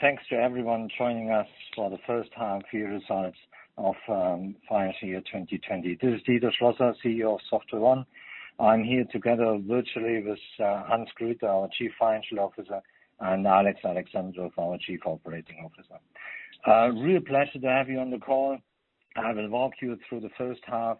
Thanks to everyone joining us for the first half-year results of financial year 2020. This is Dieter Schlosser, CEO of SoftwareONE. I'm here together virtually with Hans Grüter, our Chief Financial Officer, and Alex Alexandrov, our Chief Operating Officer. A real pleasure to have you on the call. I will walk you through the first half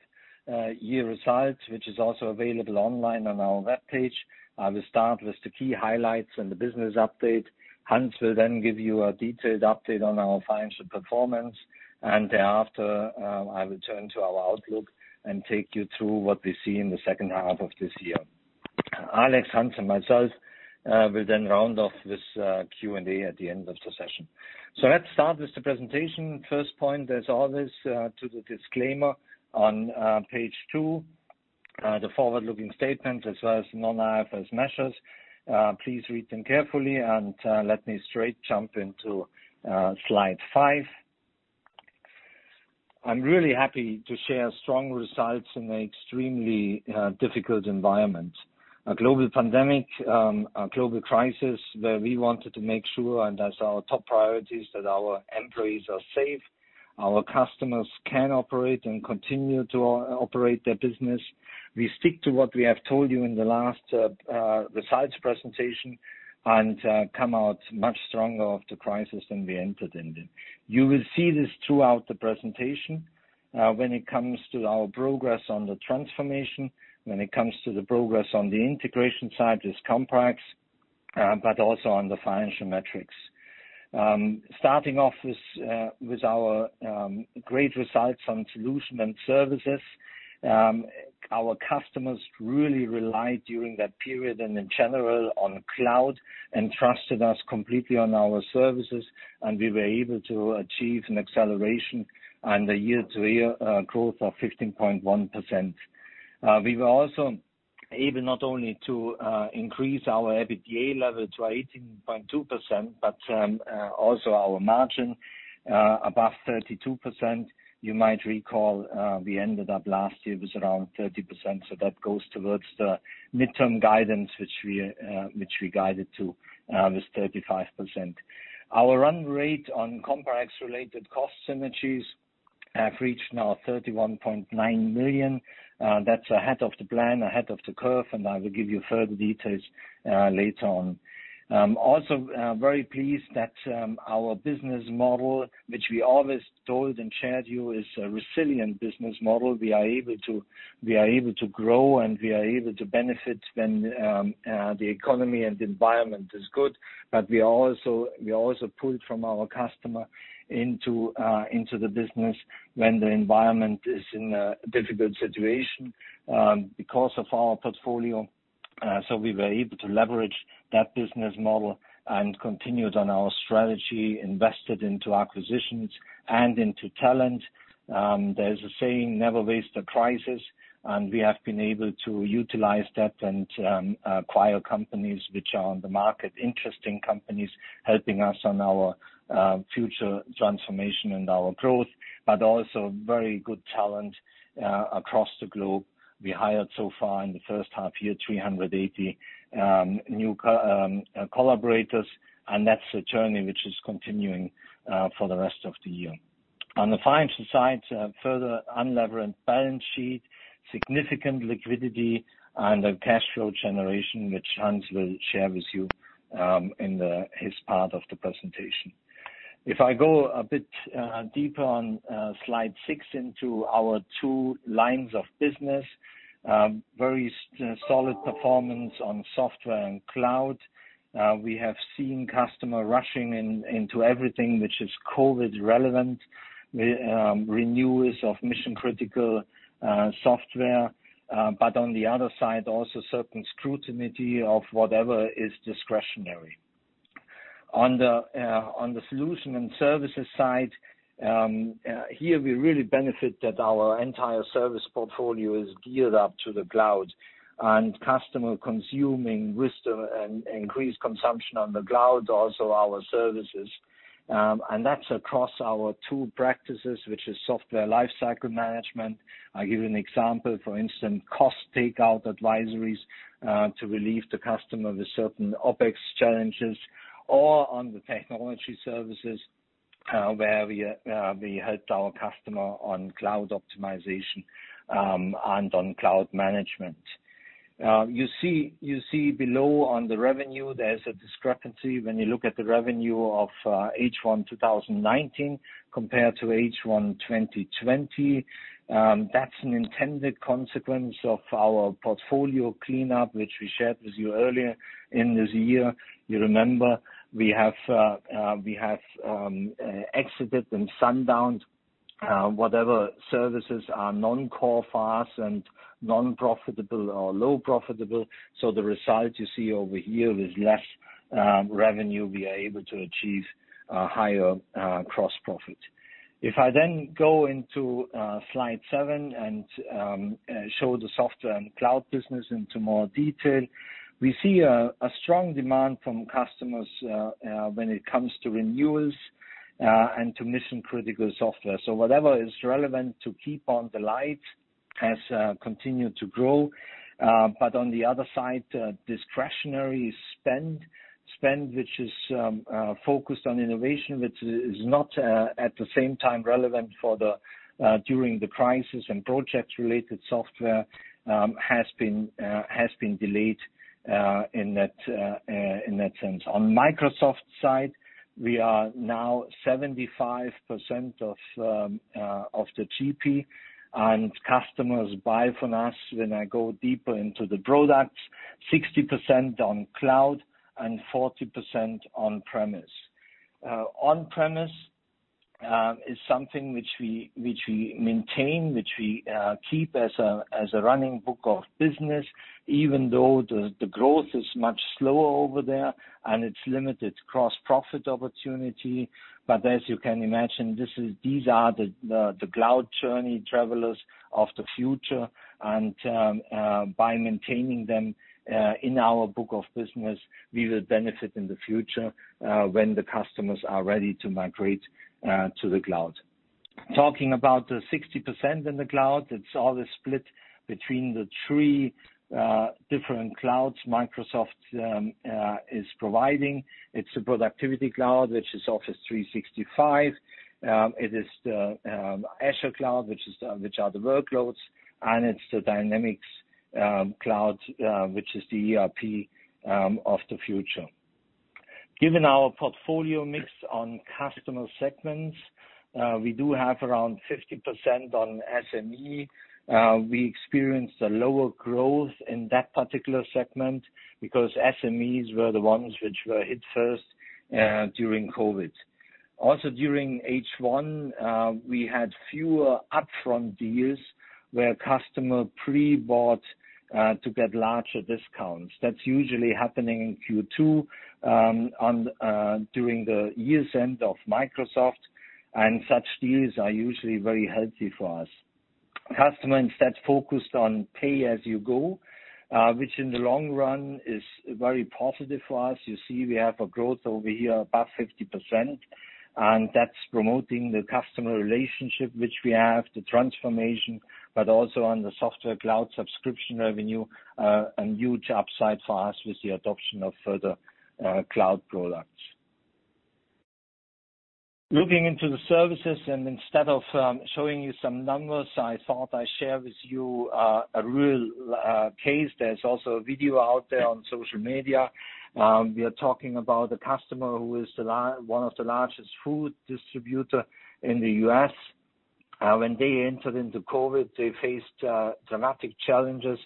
year results, which is also available online on our webpage. I will start with the key highlights and the business update. Hans will then give you a detailed update on our financial performance. Thereafter, I will turn to our outlook and take you through what we see in the second half of this year. Alex, Hans, and myself will then round off this Q&A at the end of the session. Let's start with the presentation. First point, there's always to the disclaimer on page two, the forward-looking statement as well as non-IFRS measures. Please read them carefully and let me straight jump into slide five. I'm really happy to share strong results in an extremely difficult environment, a global pandemic, a global crisis where we wanted to make sure, and that's our top priorities, that our employees are safe, our customers can operate and continue to operate their business. We stick to what we have told you in the last results presentation and come out much stronger of the crisis than we entered in it. You will see this throughout the presentation, when it comes to our progress on the transformation, when it comes to the progress on the integration side with Comparex, but also on the financial metrics. Starting off with our great results on solution and services. Our customers really relied during that period and in general on cloud and trusted us completely on our services, and we were able to achieve an acceleration and a year-over-year growth of 15.1%. We were also able not only to increase our EBITDA level to 18.2%, but also our margin above 32%. You might recall, we ended up last year was around 30%, so that goes towards the midterm guidance, which we guided to, was 35%. Our run rate on Comparex-related cost synergies have reached now 31.9 million. That's ahead of the plan, ahead of the curve, and I will give you further details later on. Also very pleased that our business model, which we always told and shared you, is a resilient business model. We are able to grow, and we are able to benefit when the economy and the environment is good. We also pulled from our customer into the business when the environment is in a difficult situation because of our portfolio. We were able to leverage that business model and continued on our strategy, invested into acquisitions and into talent. There's a saying, never waste a crisis, and we have been able to utilize that and acquire companies which are on the market, interesting companies helping us on our future transformation and our growth, but also very good talent across the globe. We hired so far in the first half-year, 380 new collaborators, and that's a journey which is continuing for the rest of the year. On the financial side, further unlevered balance sheet, significant liquidity, and a cash flow generation, which Hans will share with you in his part of the presentation. If I go a bit deeper on slide six into our two lines of business, very solid performance on software and cloud. We have seen customer rushing into everything which is COVID-relevant, renewals of mission-critical software. On the other side, also certain scrutiny of whatever is discretionary. On the solution and services side, here we really benefit that our entire service portfolio is geared up to the cloud, and customer consuming with the increased consumption on the cloud, also our services. That's across our two practices, which is Software Lifecycle Management. I give you an example, for instance, cost takeout advisories, to relieve the customer with certain OpEx challenges or on the technology services, where we helped our customer on cloud optimization, and on cloud management. You see below on the revenue, there's a discrepancy when you look at the revenue of H1 2019 compared to H1 2020. That's an intended consequence of our portfolio cleanup, which we shared with you earlier in this year. You remember, we have exited and sundowned whatever services are non-core for us and non-profitable or low profitable. The result you see over here with less revenue, we are able to achieve a higher gross profit. If I then go into slide seven and show the Software and cloud business into more detail, we see a strong demand from customers when it comes to renewals and to mission-critical software. Whatever is relevant to keep on the light has continued to grow. On the other side, discretionary spend which is focused on innovation, which is not at the same time relevant during the crisis, and project-related software has been delayed in that sense. On Microsoft side, we are now 75% of the GP, and customers buy from us. When I go deeper into the products, 60% on cloud and 40% on-premise. On-premise is something which we maintain, which we keep as a running book of business, even though the growth is much slower over there and it's limited cross-profit opportunity. As you can imagine, these are the cloud journey travelers of the future. By maintaining them in our book of business, we will benefit in the future when the customers are ready to migrate to the cloud. Talking about the 60% in the cloud, it's all split between the three different clouds Microsoft is providing. It's the productivity cloud, which is Office 365. It is the Azure cloud, which are the workloads, and it's the Dynamics cloud, which is the ERP of the future. Given our portfolio mix on customer segments, we do have around 50% on SME. We experienced a lower growth in that particular segment because SMEs were the ones which were hit first during COVID. During H1, we had fewer upfront deals where customer pre-bought to get larger discounts. That's usually happening in Q2 during the year-end of Microsoft, such deals are usually very healthy for us. Customers that focused on pay-as-you-go, which in the long run is very positive for us. You see we have a growth over here above 50%, that's promoting the customer relationship which we have, the transformation. Also on the software cloud subscription revenue, a huge upside for us with the adoption of further cloud products. Looking into the services instead of showing you some numbers, I thought I'd share with you a real case. There's also a video out there on social media. We are talking about a customer who is one of the largest food distributor in the U.S. When they entered into COVID, they faced dramatic challenges,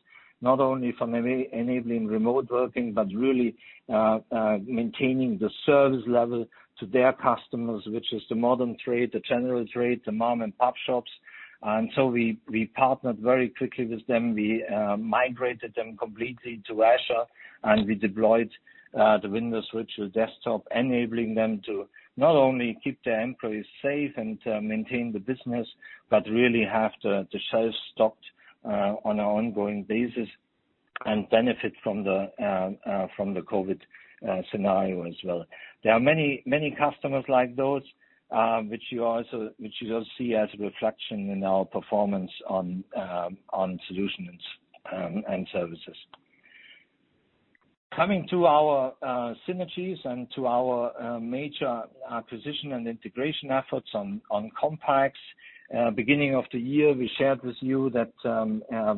not only from enabling remote working, but really maintaining the service level to their customers, which is the modern trade, the general trade, the mom-and-pop shops. We partnered very quickly with them. We migrated them completely to Azure, and we deployed the Azure Virtual Desktop, enabling them to not only keep their employees safe and maintain the business, but really have the sales stocked on an ongoing basis and benefit from the COVID scenario as well. There are many customers like those, which you will see as a reflection in our performance on solutions and services. Coming to our synergies and to our major acquisition and integration efforts on Comparex. Beginning of the year, we shared with you that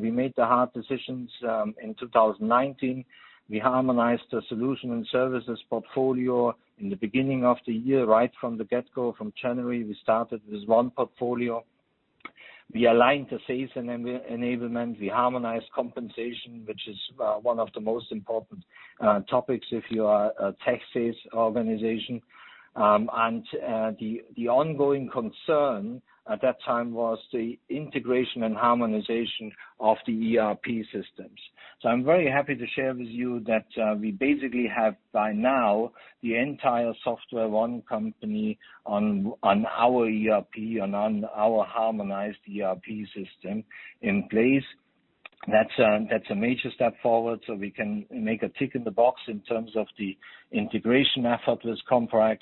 we made the hard decisions in 2019. We harmonized the solution and services portfolio in the beginning of the year. Right from the get-go, from January, we started with one portfolio. We aligned the sales enablement. We harmonized compensation, which is one of the most important topics if you are a tax-based organization. The ongoing concern at that time was the integration and harmonization of the ERP systems. I'm very happy to share with you that we basically have by now the entire SoftwareONE company on our ERP and on our harmonized ERP system in place. That's a major step forward, so we can make a tick in the box in terms of the integration effort with Comparex.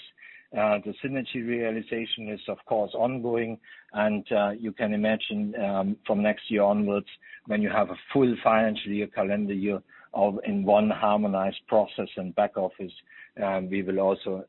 The synergy realization is, of course, ongoing, and you can imagine from next year onwards, when you have a full financial year, calendar year in one harmonized process and back office, we will also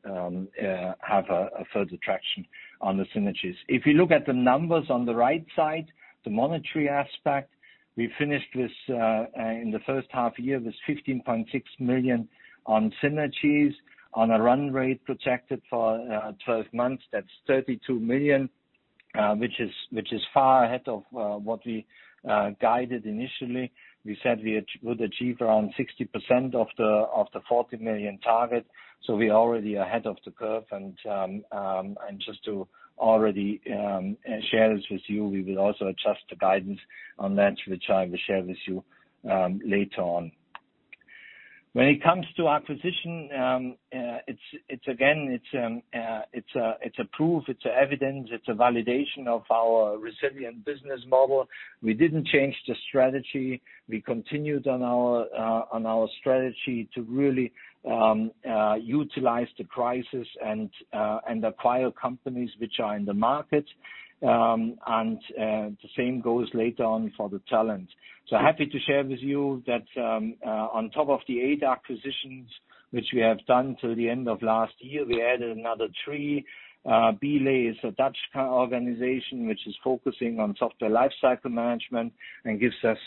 have a further traction on the synergies. If you look at the numbers on the right side, the monetary aspect, we finished this in the first half year with 15.6 million on synergies. On a run rate projected for 12 months, that's 32 million, which is far ahead of what we guided initially. We said we would achieve around 60% of the 40 million target, so we're already ahead of the curve. Just to already share this with you, we will also adjust the guidance on that, which I will share with you later on. When it comes to acquisition, again, it's a proof, it's evidence, it's a validation of our resilient business model. We didn't change the strategy. We continued on our strategy to really utilize the crisis and acquire companies which are in the market. The same goes later on for the talent. Happy to share with you that on top of the eight acquisitions which we have done till the end of last year, we added another three. B-lay is a Dutch organization which is focusing on Software Lifecycle Management and gives us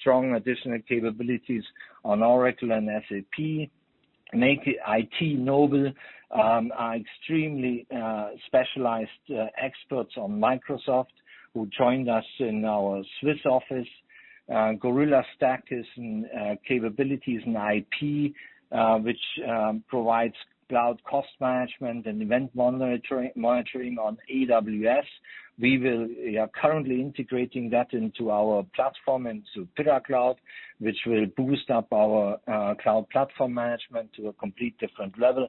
strong additional capabilities on Oracle and SAP. make IT noble are extremely specialized experts on Microsoft who joined us in our Swiss office. GorillaStack is capabilities in IP, which provides cloud cost management and event monitoring on AWS. We are currently integrating that into our platform, into PyraCloud, which will boost up our cloud platform management to a complete different level.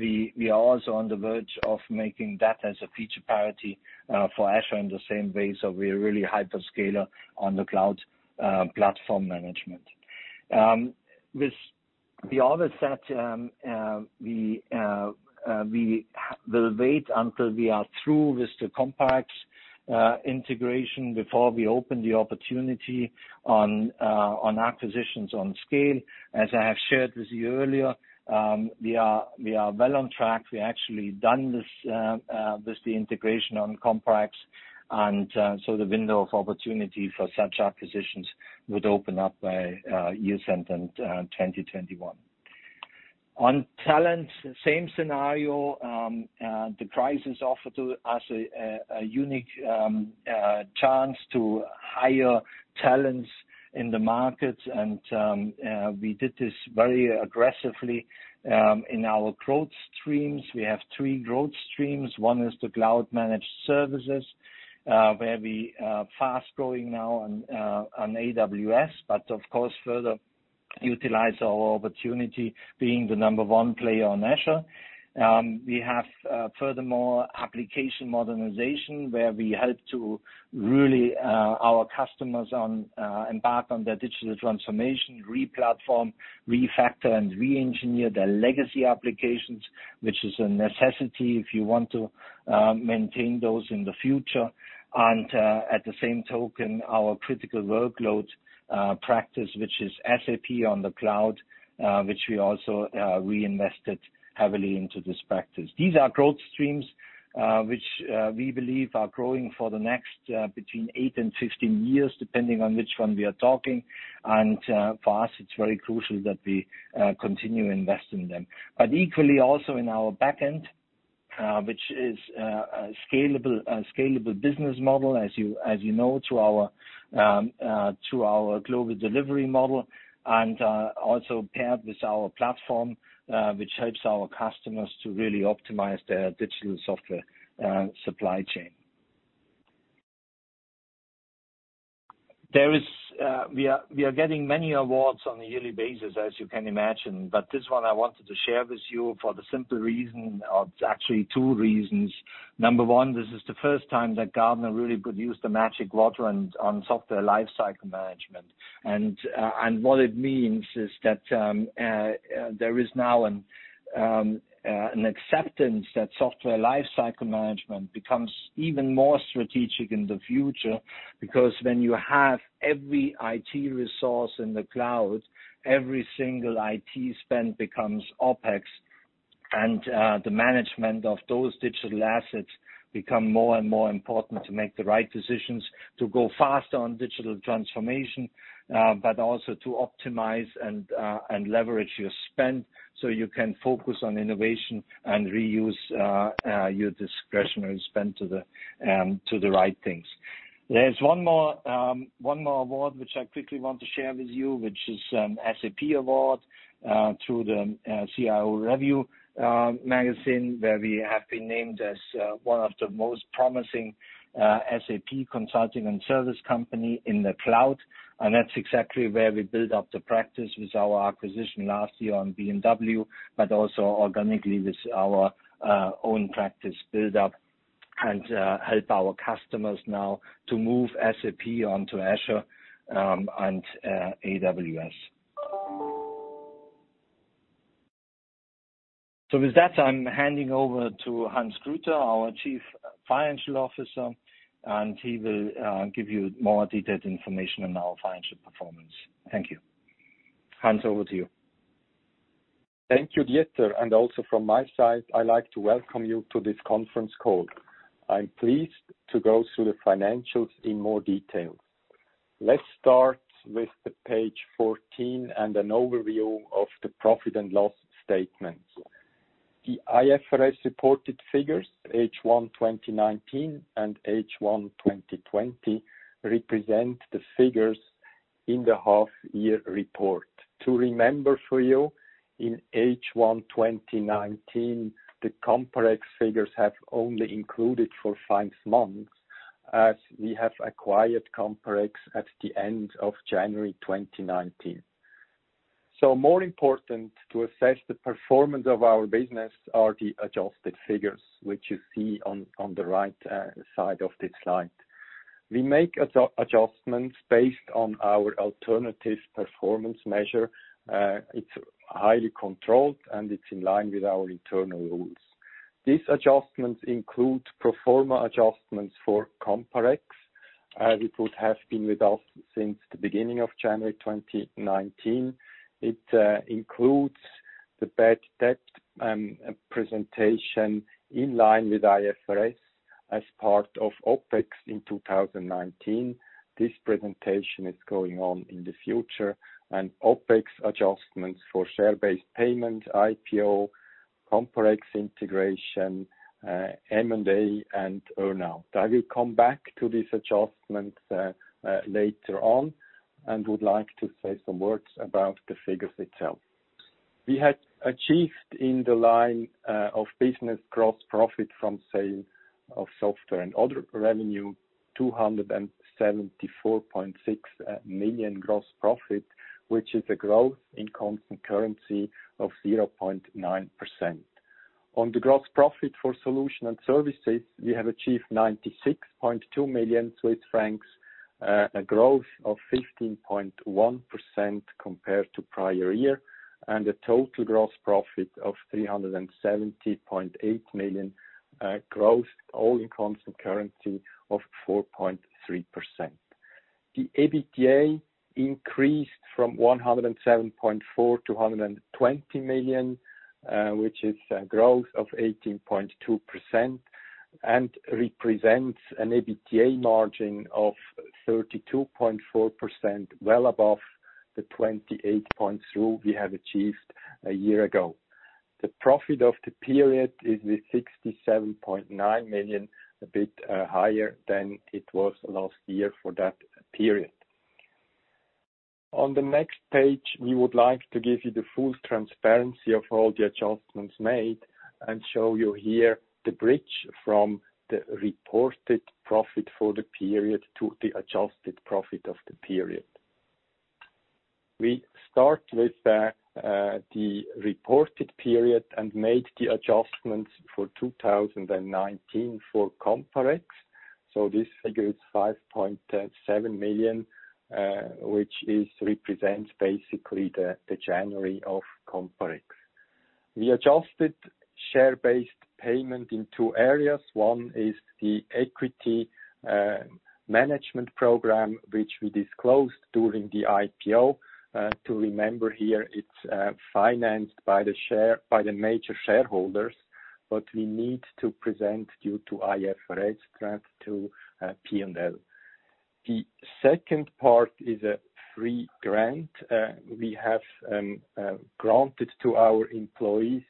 We are also on the verge of making that as a feature parity for Azure in the same way. We are really hyperscaler on the cloud platform management. With the other set, we will wait until we are through with the Comparex integration before we open the opportunity on acquisitions on scale. As I have shared with you earlier, we are well on track. We actually done the integration on Comparex, the window of opportunity for such acquisitions would open up by year-end in 2021. On talent, same scenario. The crisis offered to us a unique chance to hire talents in the market. We did this very aggressively in our growth streams. We have three growth streams. One is the cloud-managed services, where we are fast-growing now on AWS, but of course, further utilize our opportunity being the number one player on Azure. We have, furthermore, application modernization, where we help to really our customers embark on their digital transformation, re-platform, refactor, and re-engineer their legacy applications, which is a necessity if you want to maintain those in the future. At the same token, our critical workload practice, which is SAP on the cloud, which we also reinvested heavily into this practice. These are growth streams which we believe are growing for the next between 8 and 15 years, depending on which one we are talking. For us, it's very crucial that we continue to invest in them. Equally also in our back end, which is a scalable business model, as you know, through our global delivery model and also paired with our platform, which helps our customers to really optimize their digital software supply chain. We are getting many awards on a yearly basis, as you can imagine. This one I wanted to share with you for the simple reason of, actually two reasons. Number one, this is the first time that Gartner really produced a Magic Quadrant on Software Lifecycle Management. What it means is that there is now an acceptance that Software Lifecycle Management becomes even more strategic in the future, because when you have every IT resource in the cloud, every single IT spend becomes OpEx. The management of those digital assets become more and more important to make the right decisions, to go faster on digital transformation, but also to optimize and leverage your spend so you can focus on innovation and reuse your discretionary spend to the right things. There's one more award, which I quickly want to share with you, which is an SAP award through the CIOReview magazine, where we have been named as one of the most promising SAP consulting and service company in the cloud. That's exactly where we build up the practice with our acquisition last year on BNW, but also organically with our own practice build-up and help our customers now to move SAP onto Azure and AWS. With that, I'm handing over to Hans Grüter, our Chief Financial Officer, and he will give you more detailed information on our financial performance. Thank you. Hans, over to you. Thank you, Dieter. Also from my side, I'd like to welcome you to this conference call. I'm pleased to go through the financials in more detail. Let's start with the page 14 and an overview of the profit and loss statement. The IFRS-reported figures, H1 2019 and H1 2020, represent the figures in the half year report. To remember for you, in H1 2019, the Comparex figures have only included for five months as we have acquired Comparex at the end of January 2019. More important to assess the performance of our business are the adjusted figures, which you see on the right side of this slide. We make adjustments based on our alternative performance measure. It's highly controlled, and it's in line with our internal rules. These adjustments include pro forma adjustments for Comparex, as it would have been with us since the beginning of January 2019. It includes the bad debt presentation in line with IFRS as part of OpEx in 2019. This presentation is going on in the future, and OpEx adjustments for share-based payment, IPO, Comparex integration, M&A, and earn-out. I will come back to these adjustments later on and would like to say some words about the figures itself. We had achieved in the line of business gross profit from sale of software and other revenue, 274.6 million gross profit, which is a growth in constant currency of 0.9%. On the gross profit for solution and services, we have achieved 96.2 million Swiss francs, a growth of 15.1% compared to prior year, and a total gross profit of 370.8 million growth, all in constant currency of 4.3%. The EBITDA increased from 107.4 million to 120 million, which is a growth of 18.2% and represents an EBITDA margin of 32.4%, well above the 28 points rule we have achieved a year ago. The profit of the period is 67.9 million, a bit higher than it was last year for that period. On the next page, we would like to give you the full transparency of all the adjustments made and show you here the bridge from the reported profit for the period to the adjusted profit of the period. We start with the reported period and made the adjustments for 2019 for Comparex. This figure is 5.7 million, which represents basically the January of Comparex. We adjusted share-based payment in two areas. One is the Equity Management Program, which we disclosed during the IPO. To remember here, it's financed by the major shareholders, but we need to present due to IFRS grant to P&L. The second part is a free grant. We have granted to our employees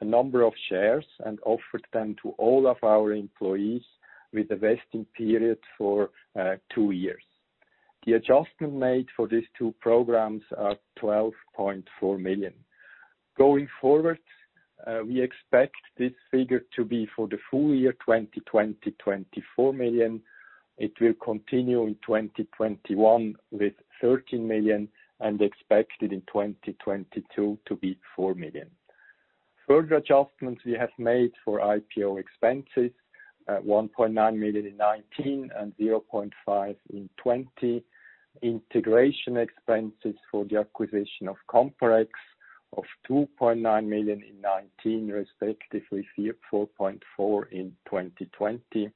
a number of shares and offered them to all of our employees with a vesting period for two years. The adjustment made for these two programs are 12.4 million. Going forward, we expect this figure to be for the full year 2020, 24 million. It will continue in 2021 with 13 million and expected in 2022 to be 4 million. Further adjustments we have made for IPO expenses, 1.9 million in 2019 and 0.5 in 2020. Integration expenses for the acquisition of Comparex of 2.9 million in 2019, respectively 4.4 in 2020.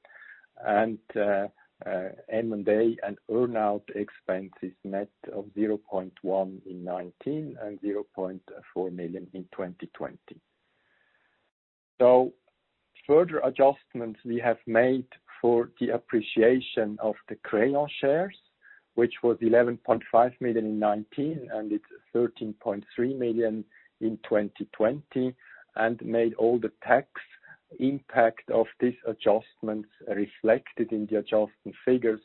M&A and earn-out expenses net of 0.1 in 2019 and 0.4 million in 2020. Further adjustments we have made for the appreciation of the Crayon shares, which was 11.5 million in 2019, and it's 13.3 million in 2020, and made all the tax impact of these adjustments reflected in the adjustment figures,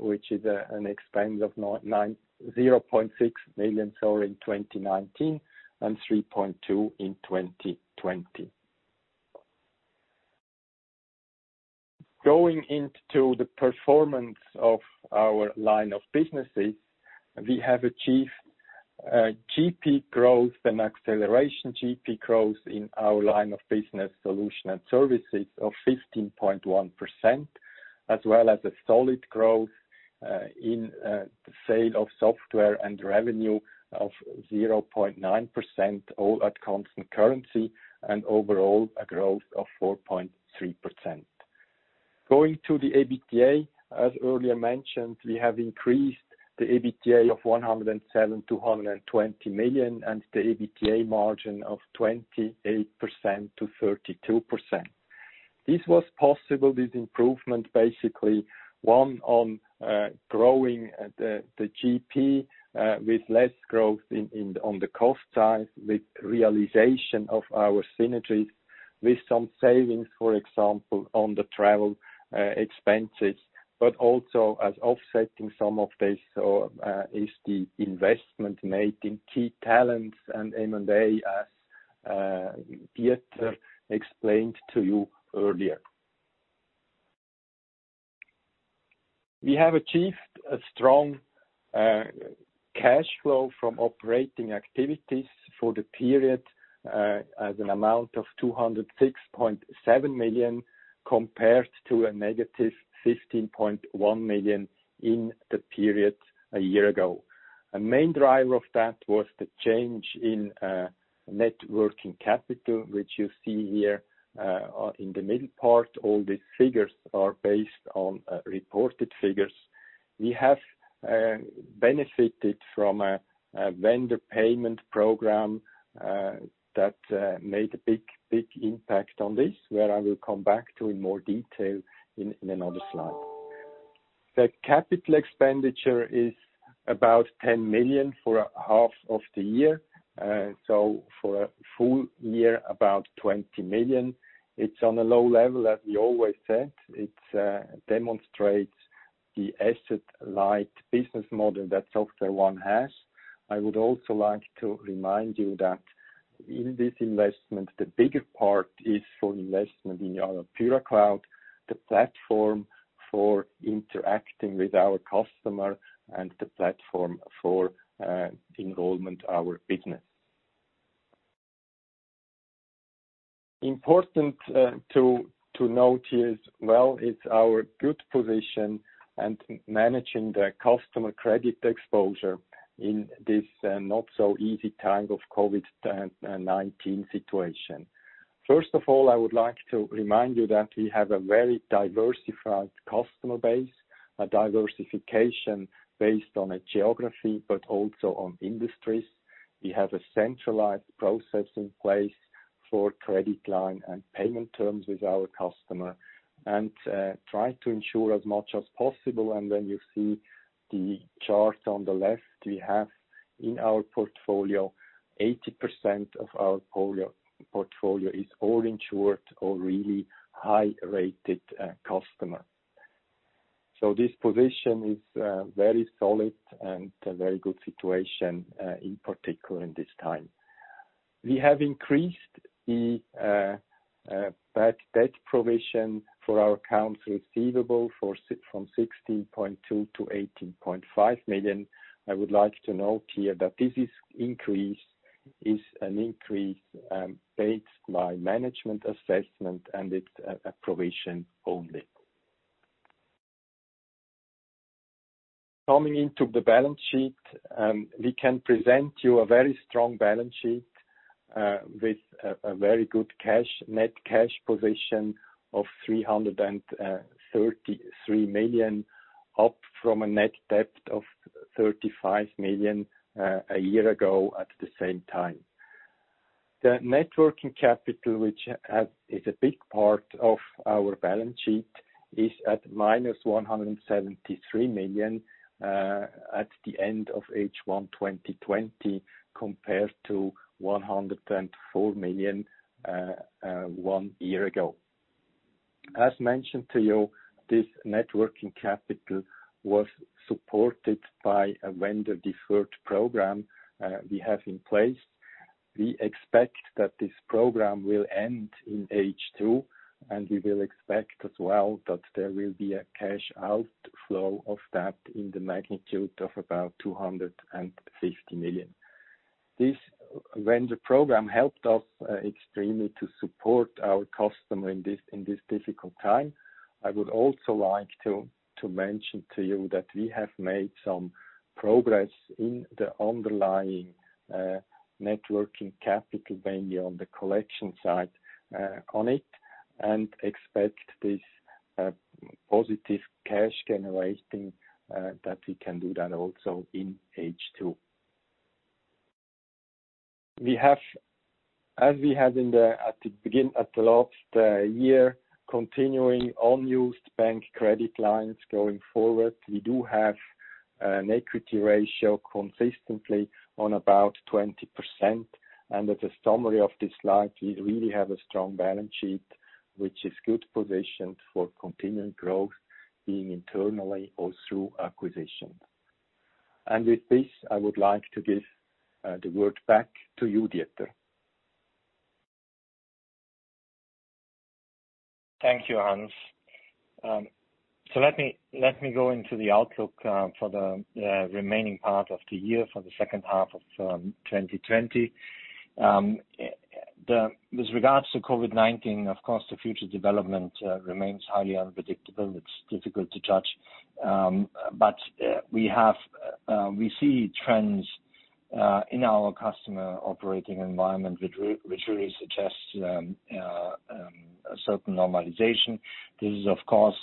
which is an expense of 0.6 million in 2019 and 3.2 million in 2020. Going into the performance of our line of businesses, we have achieved GP growth and acceleration GP growth in our line of business solution and services of 15.1%, as well as a solid growth in the sale of software and revenue of 0.9%, all at constant currency, and overall a growth of 4.3%. Going to the EBITDA, as earlier mentioned, we have increased the EBITDA of 107 million-120 million and the EBITDA margin of 28%-42%. This was possible, this improvement, basically one on growing the GP, with less growth on the cost side, with realization of our synergies, with some savings, for example, on the travel expenses, but also as offsetting some of this is the investment made in key talents and M&A, as Dieter explained to you earlier. We have achieved a strong cash flow from operating activities for the period as an amount of 206.7 million, compared to a -15.1 million in the period a year ago. A main driver of that was the change in net working capital, which you see here in the middle part. All these figures are based on reported figures. We have benefited from a vendor payment program that made a big impact on this, where I will come back to in more detail in another slide. The capital expenditure is about 10 million for a half of the year. For a full year, about 20 million. It's on a low level, as we always said. It demonstrates the asset light business model that SoftwareONE has. I would also like to remind you that in this investment, the bigger part is for investment in our PyraCloud, the platform for interacting with our customer and the platform for enrollment our business. Important to note here as well is our good position and managing the customer credit exposure in this not so easy time of COVID-19 situation. First of all, I would like to remind you that we have a very diversified customer base, a diversification based on a geography, but also on industries. We have a centralized process in place for credit line and payment terms with our customer, and try to ensure as much as possible. When you see the chart on the left, we have in our portfolio, 80% of our portfolio is all insured or really high-rated customers. This position is very solid and a very good situation, in particular in this time. We have increased the bad debt provision for our accounts receivable from 16.2 million to 18.5 million. I would like to note here that this increase is an increase based by management assessment, and it's a provision only. Coming into the balance sheet, we can present you a very strong balance sheet with a very good net cash position of 333 million, up from a net debt of 35 million a year ago at the same time. The net working capital, which is a big part of our balance sheet, is at -173 million at the end of H1 2020 compared to 104 million one year ago. As mentioned to you, this net working capital was supported by a vendor deferred program we have in place. We expect that this program will end in H2, and we will expect as well that there will be a cash outflow of that in the magnitude of about 250 million. This vendor program helped us extremely to support our customer in this difficult time. I would also like to mention to you that we have made some progress in the underlying net working capital mainly on the collection side on it, and expect this positive cash generating that we can do that also in H2. As we had at the last year, continuing unused bank credit lines going forward, we do have an equity ratio consistently on about 20%. As a summary of this slide, we really have a strong balance sheet, which is good positioned for continued growth, being internally or through acquisition. With this, I would like to give the word back to you, Dieter. Thank you, Hans. Let me go into the outlook for the remaining part of the year, for the second half of 2020. With regards to COVID-19, of course, the future development remains highly unpredictable, and it's difficult to judge. We see trends in our customer operating environment which really suggests a certain normalization. This is, of course,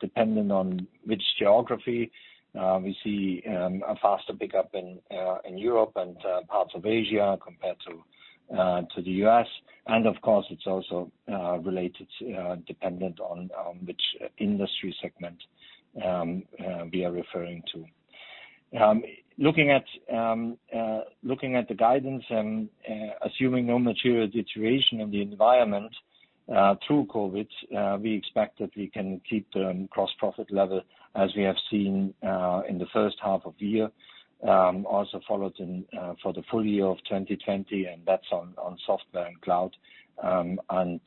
dependent on which geography. We see a faster pickup in Europe and parts of Asia compared to the U.S. Of course, it's also related, dependent on which industry segment we are referring to. Looking at the guidance and assuming no material deterioration of the environment through COVID, we expect that we can keep the gross profit level as we have seen in the first half of the year, also followed for the full year of 2020, and that's on software and cloud, and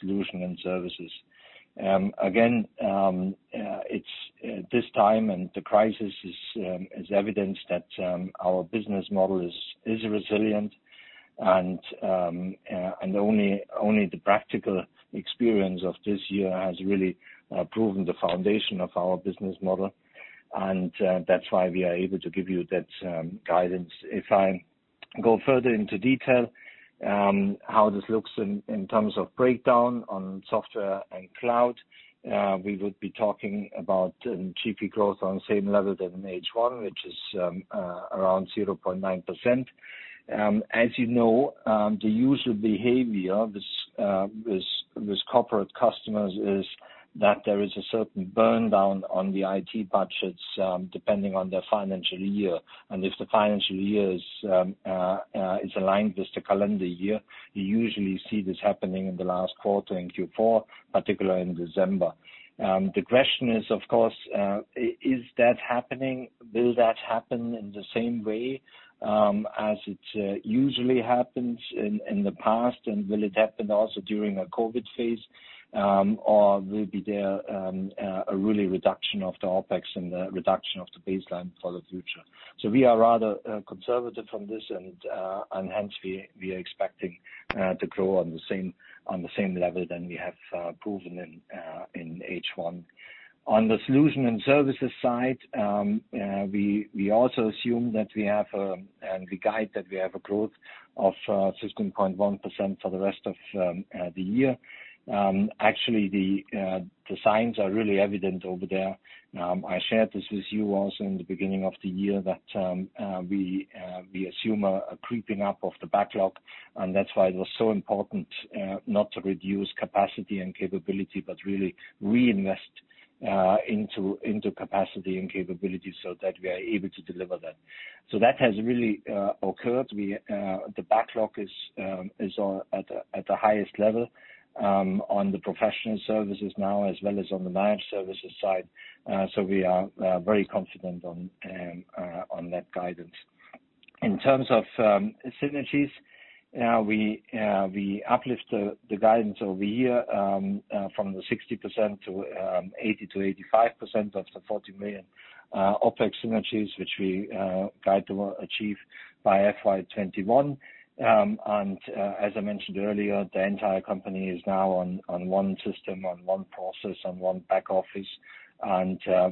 solution and services. Again, this time and the crisis has evidenced that our business model is resilient. Only the practical experience of this year has really proven the foundation of our business model. That's why we are able to give you that guidance. If I go further into detail, how this looks in terms of breakdown on software and cloud, we would be talking about GP growth on the same level as in H1, which is around 0.9%. As you know, the user behavior with corporate customers is that there is a certain burn down on the IT budgets, depending on their financial year. If the financial year is aligned with the calendar year, you usually see this happening in the last quarter, in Q4, particularly in December. The question is, of course, is that happening? Will that happen in the same way as it usually happens in the past, and will it happen also during a COVID phase? Will there be a real reduction of the OpEx and the reduction of the baseline for the future? We are rather conservative from this end. Hence, we are expecting to grow on the same level than we have proven in H1. On the solution and services side, we also assume and we guide that we have a growth of 16.1% for the rest of the year. Actually, the signs are really evident over there. I shared this with you also in the beginning of the year that we assume a creeping up of the backlog, and that's why it was so important not to reduce capacity and capability, but really reinvest into capacity and capability so that we are able to deliver that. That has really occurred. The backlog is at the highest level on the professional services now, as well as on the managed services side. We are very confident on that guidance. In terms of synergies, we uplift the guidance over here from the 60%-80%-85% of the 40 million OpEx synergies, which we guide to achieve by FY 2021. As I mentioned earlier, the entire company is now on one system, on one process, on one back office.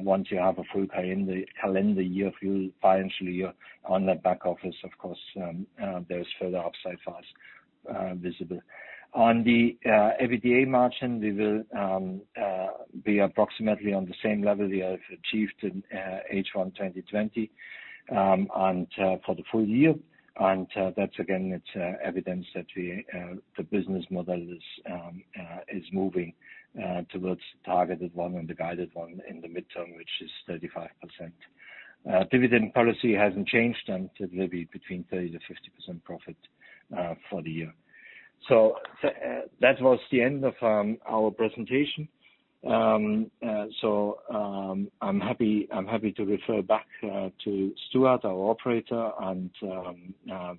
Once you have a full calendar year, full financial year on that back office, of course, there's further upsides for us visible. On the EBITDA margin, we will be approximately on the same level we have achieved in H1 2020 for the full year. That's, again, it's evidence that the business model is moving towards the targeted one and the guided one in the midterm, which is 35%. Dividend policy hasn't changed, and it will be between 30%-50% profit for the year. That was the end of our presentation. I'm happy to refer back to Stewart, our operator, and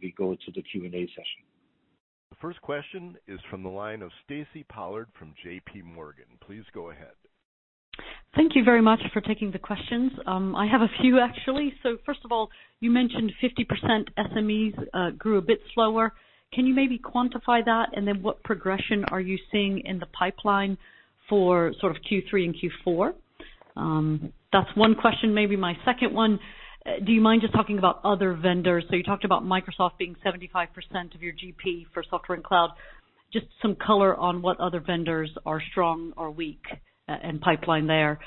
we go to the Q&A session. The first question is from the line of Stacy Pollard from JPMorgan. Please go ahead. Thank you very much for taking the questions. I have a few, actually. First of all, you mentioned 50% SMEs grew a bit slower. Can you maybe quantify that? What progression are you seeing in the pipeline for Q3 and Q4? That's one question. Maybe my second one, do you mind just talking about other vendors? You talked about Microsoft being 75% of your GP for software and cloud. Just some color on what other vendors are strong or weak, and pipeline there.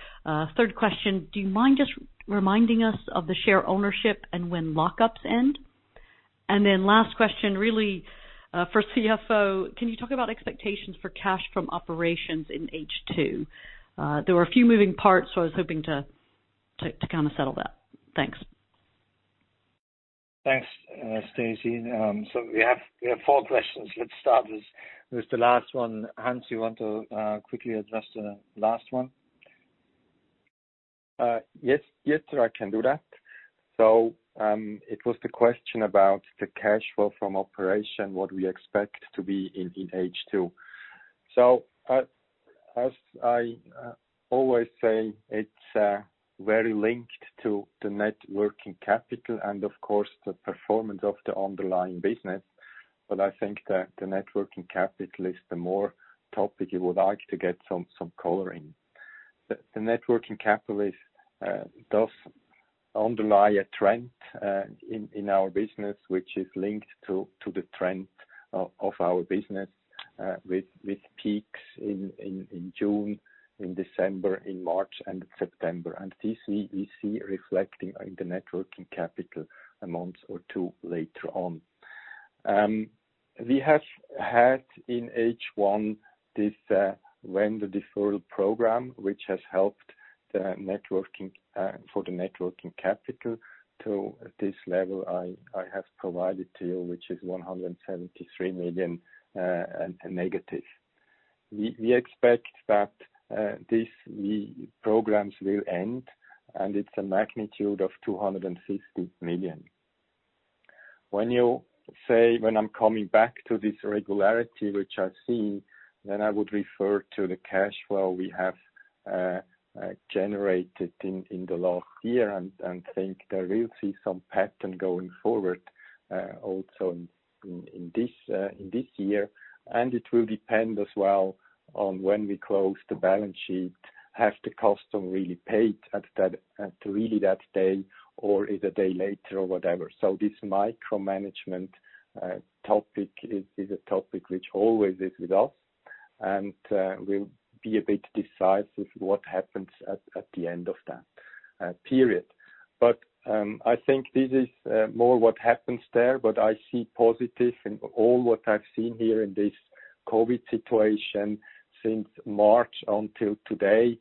Third question, do you mind just reminding us of the share ownership and when lock-ups end? Last question, really for CFO, can you talk about expectations for cash from operations in H2? There were a few moving parts, so I was hoping to settle that. Thanks. Thanks, Stacy. We have four questions. Let's start with the last one. Hans, you want to quickly address the last one? Yes, sir, I can do that. It was the question about the cash flow from operation, what we expect to be in H2. As I always say, it's very linked to the net working capital and, of course, the performance of the underlying business. I think that the net working capital is the more topic you would like to get some color in. The net working capital does underlie a trend in our business, which is linked to the trend of our business, with peaks in June, in December, in March, and September. This we see reflecting in the net working capital a month or two later on. We have had in H1 this vendor deferral program, which has helped for the net working capital to this level I have provided to you, which is 173 million negative. We expect that these programs will end, and it's a magnitude of 250 million. When you say, when I'm coming back to this regularity which I've seen, then I would refer to the cash flow we have generated in the last year, and think that we will see some pattern going forward also in this year. It will depend as well on when we close the balance sheet. Have the customer really paid that day, or is a day later or whatever? This micromanagement topic is a topic which always is with us. Will be a bit decisive what happens at the end of that period. I think this is more what happens there, but I see positive in all what I've seen here in this COVID situation since March until today.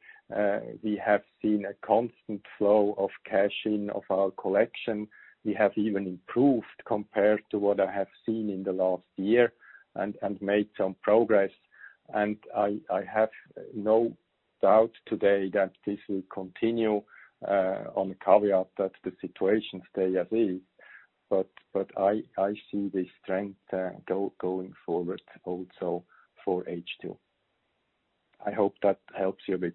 We have seen a constant flow of cash in of our collection. We have even improved compared to what I have seen in the last year and made some progress. I have no doubt today that this will continue on the caveat that the situation stay as is. I see the strength going forward also for H2. I hope that helps you a bit,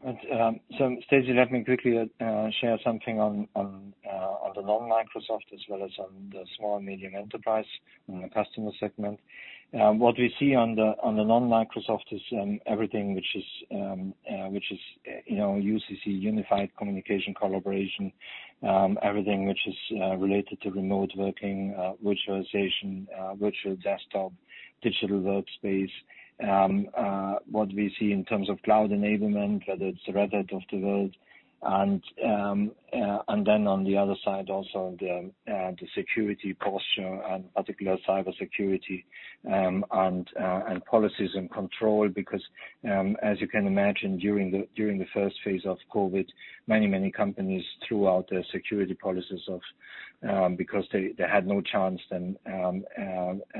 Stacy. Stacy, let me quickly share something on the non-Microsoft as well as on the small and medium enterprise customer segment. What we see on the non-Microsoft is everything which is UCC, unified communication collaboration. Everything which is related to remote working, virtualization, virtual desktop, digital workspace. What we see in terms of cloud enablement, whether it's the Red Hat of the world. Then on the other side also, the security posture and particular cybersecurity, and policies and control, because, as you can imagine, during the first phase of COVID, many companies threw out their security policies because they had no chance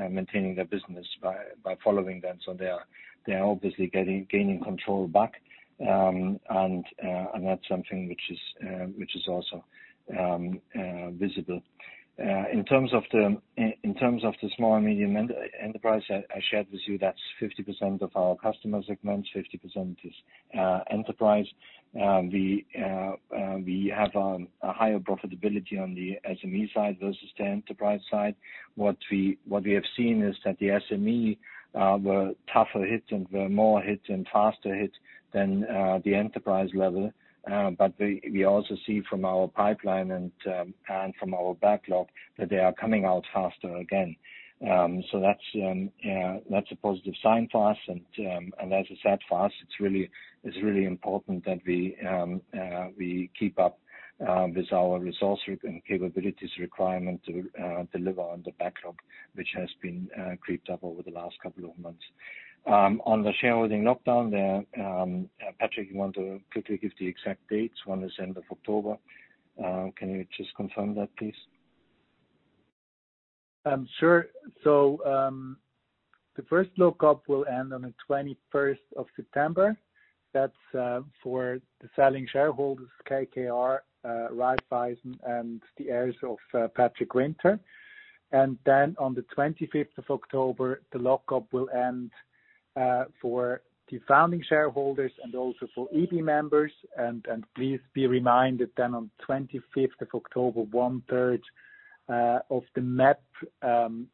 maintaining their business by following them. They are obviously gaining control back, and that's something which is also visible. In terms of the small and medium enterprise, I shared with you, that's 50% of our customer segment, 50% is enterprise. We have a higher profitability on the SME side versus the enterprise side. What we have seen is that the SME were tougher hit and were more hit and faster hit than the enterprise level. We also see from our pipeline and from our backlog that they are coming out faster again. That's a positive sign for us. As I said, for us, it's really important that we keep up with our resource and capabilities requirement to deliver on the backlog, which has been creeped up over the last couple of months. On the shareholding lockdown there, Patrick, you want to quickly give the exact dates? One is end of October. Can you just confirm that, please? The first lockup will end on the 21st of September. That's for the selling shareholders, KKR, Raiffeisen, and the heirs of Patrick Winter. On the 25th of October, the lockup will end for the founding shareholders and also for EB members. Please be reminded then on 25th of October, one-third of the MEP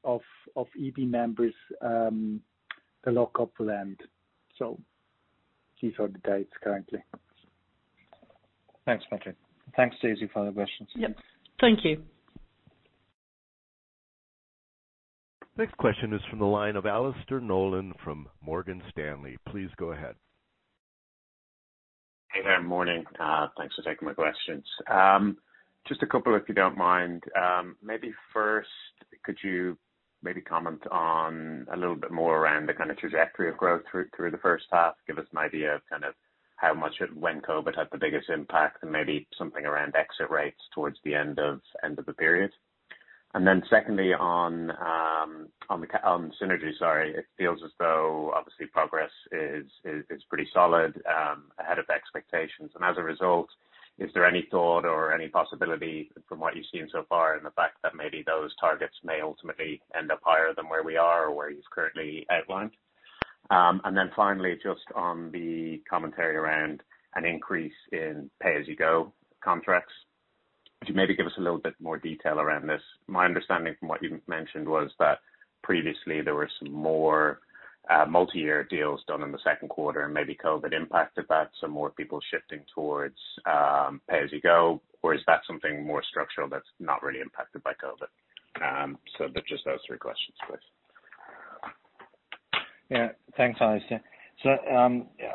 of EB members, the lockup will end. These are the dates currently. Thanks, Patrick. Thanks, Stacy, for the questions. Yep. Thank you. Next question is from the line of Alastair Nolan from Morgan Stanley. Please go ahead. Hey there. Morning. Thanks for taking my questions. Just a couple, if you don't mind. Maybe first, could you maybe comment on a little bit more around the kind of trajectory of growth through the first half? Give us an idea of how much, when COVID had the biggest impact, and maybe something around exit rates towards the end of the period. Secondly, on synergy, sorry. It feels as though obviously progress is pretty solid, ahead of expectations. As a result, is there any thought or any possibility from what you've seen so far in the fact that maybe those targets may ultimately end up higher than where we are or where you've currently outlined? Finally, just on the commentary around an increase in pay-as-you-go contracts. Could you maybe give us a little bit more detail around this? My understanding from what you mentioned was that previously there were some more multi-year deals done in the second quarter, and maybe COVID impacted that, so more people shifting towards pay-as-you-go. Is that something more structural that's not really impacted by COVID? They're just those three questions, please. Thanks, Alastair.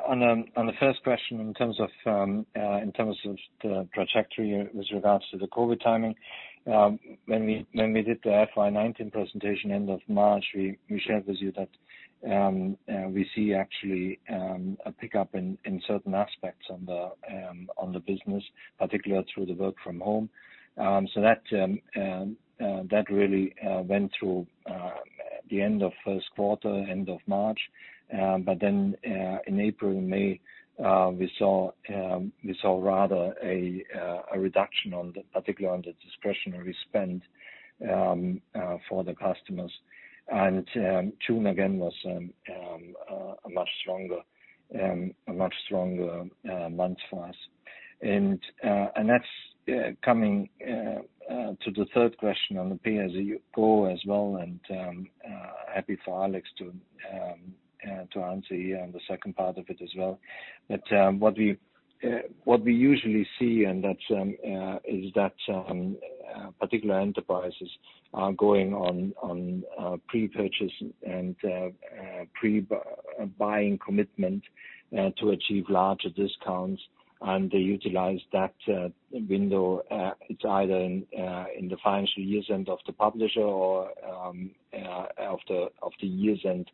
On the first question, in terms of the trajectory with regards to the COVID timing. When we did the FY 2019 presentation end of March, we shared with you that we see actually a pickup in certain aspects on the business, particularly through the work from home. That really went through the end of first quarter, end of March. In April and May, we saw rather a reduction, particularly on the discretionary spend for the customers. June, again, was a much stronger month for us. That's coming to the third question on the pay-as-you-go as well, and I'm happy for Alex to answer here on the second part of it as well. What we usually see, is that particular enterprises are going on pre-purchase and pre-buying commitment to achieve larger discounts, and they utilize that window. It's either in the financial year end of the publisher or of the year-end,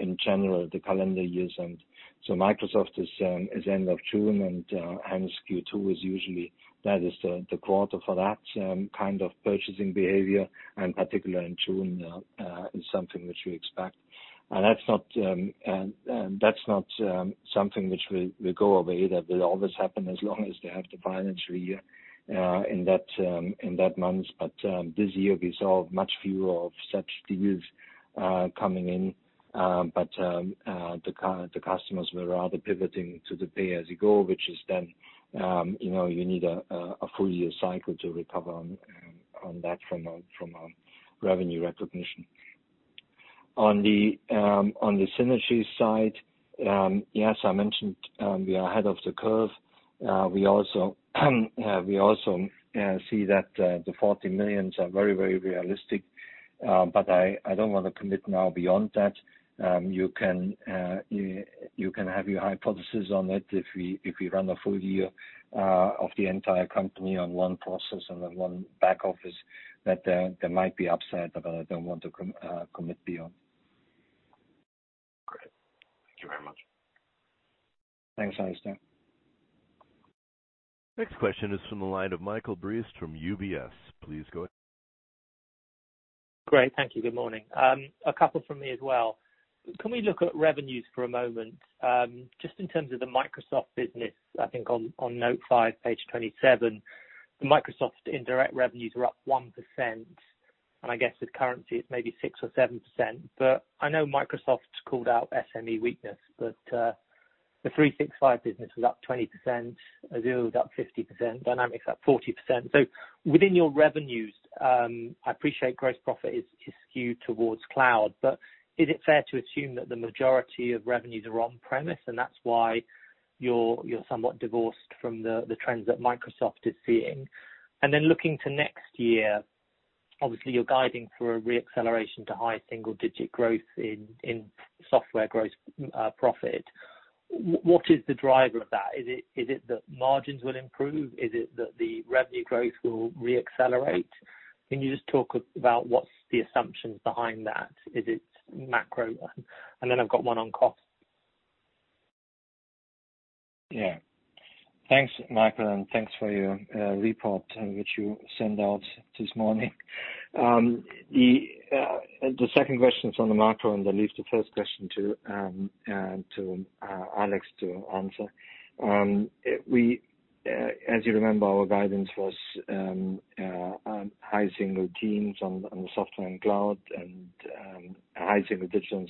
in general, the calendar year end. Microsoft is end of June, and hence Q2 is usually the quarter for that kind of purchasing behavior, and particular in June is something which we expect. That's not something which will go away. That will always happen as long as they have the financial year in that month. This year we saw much fewer of such deals coming in. The customers were rather pivoting to the pay-as-you-go, which is then you need a full year cycle to recover on that from a revenue recognition. On the synergy side, yes, I mentioned we are ahead of the curve. We also see that the 40 million are very realistic. I don't want to commit now beyond that. You can have your hypothesis on it if we run a full year of the entire company on one process and then one back office, that there might be upside. I don't want to commit beyond. Great. Thank you very much. Thanks, Alastair. Next question is from the line of Michael Briest from UBS. Please go ahead. Great. Thank you. Good morning. A couple from me as well. Can we look at revenues for a moment? Just in terms of the Microsoft business, I think on note five, page 27, the Microsoft indirect revenues are up 1%, and I guess with currency it is maybe 6% or 7%. I know Microsoft's called out SME weakness, the 365 business was up 20%, Azure was up 50%, Dynamics up 40%. Within your revenues, I appreciate gross profit is skewed towards cloud, but is it fair to assume that the majority of revenues are on-premise, and that is why you are somewhat divorced from the trends that Microsoft is seeing? Looking to next year, obviously you are guiding for a re-acceleration to high single-digit growth in software gross profit. What is the driver of that? Is it that margins will improve? Is it that the revenue growth will re-accelerate? Can you just talk about what's the assumptions behind that? Is it macro? I've got one on cost. Thanks, Michael, and thanks for your report, which you sent out this morning. The second question is on the macro, then leaves the first question to Alex to answer. As you remember, our guidance was on high single digits on software and cloud, and high digits on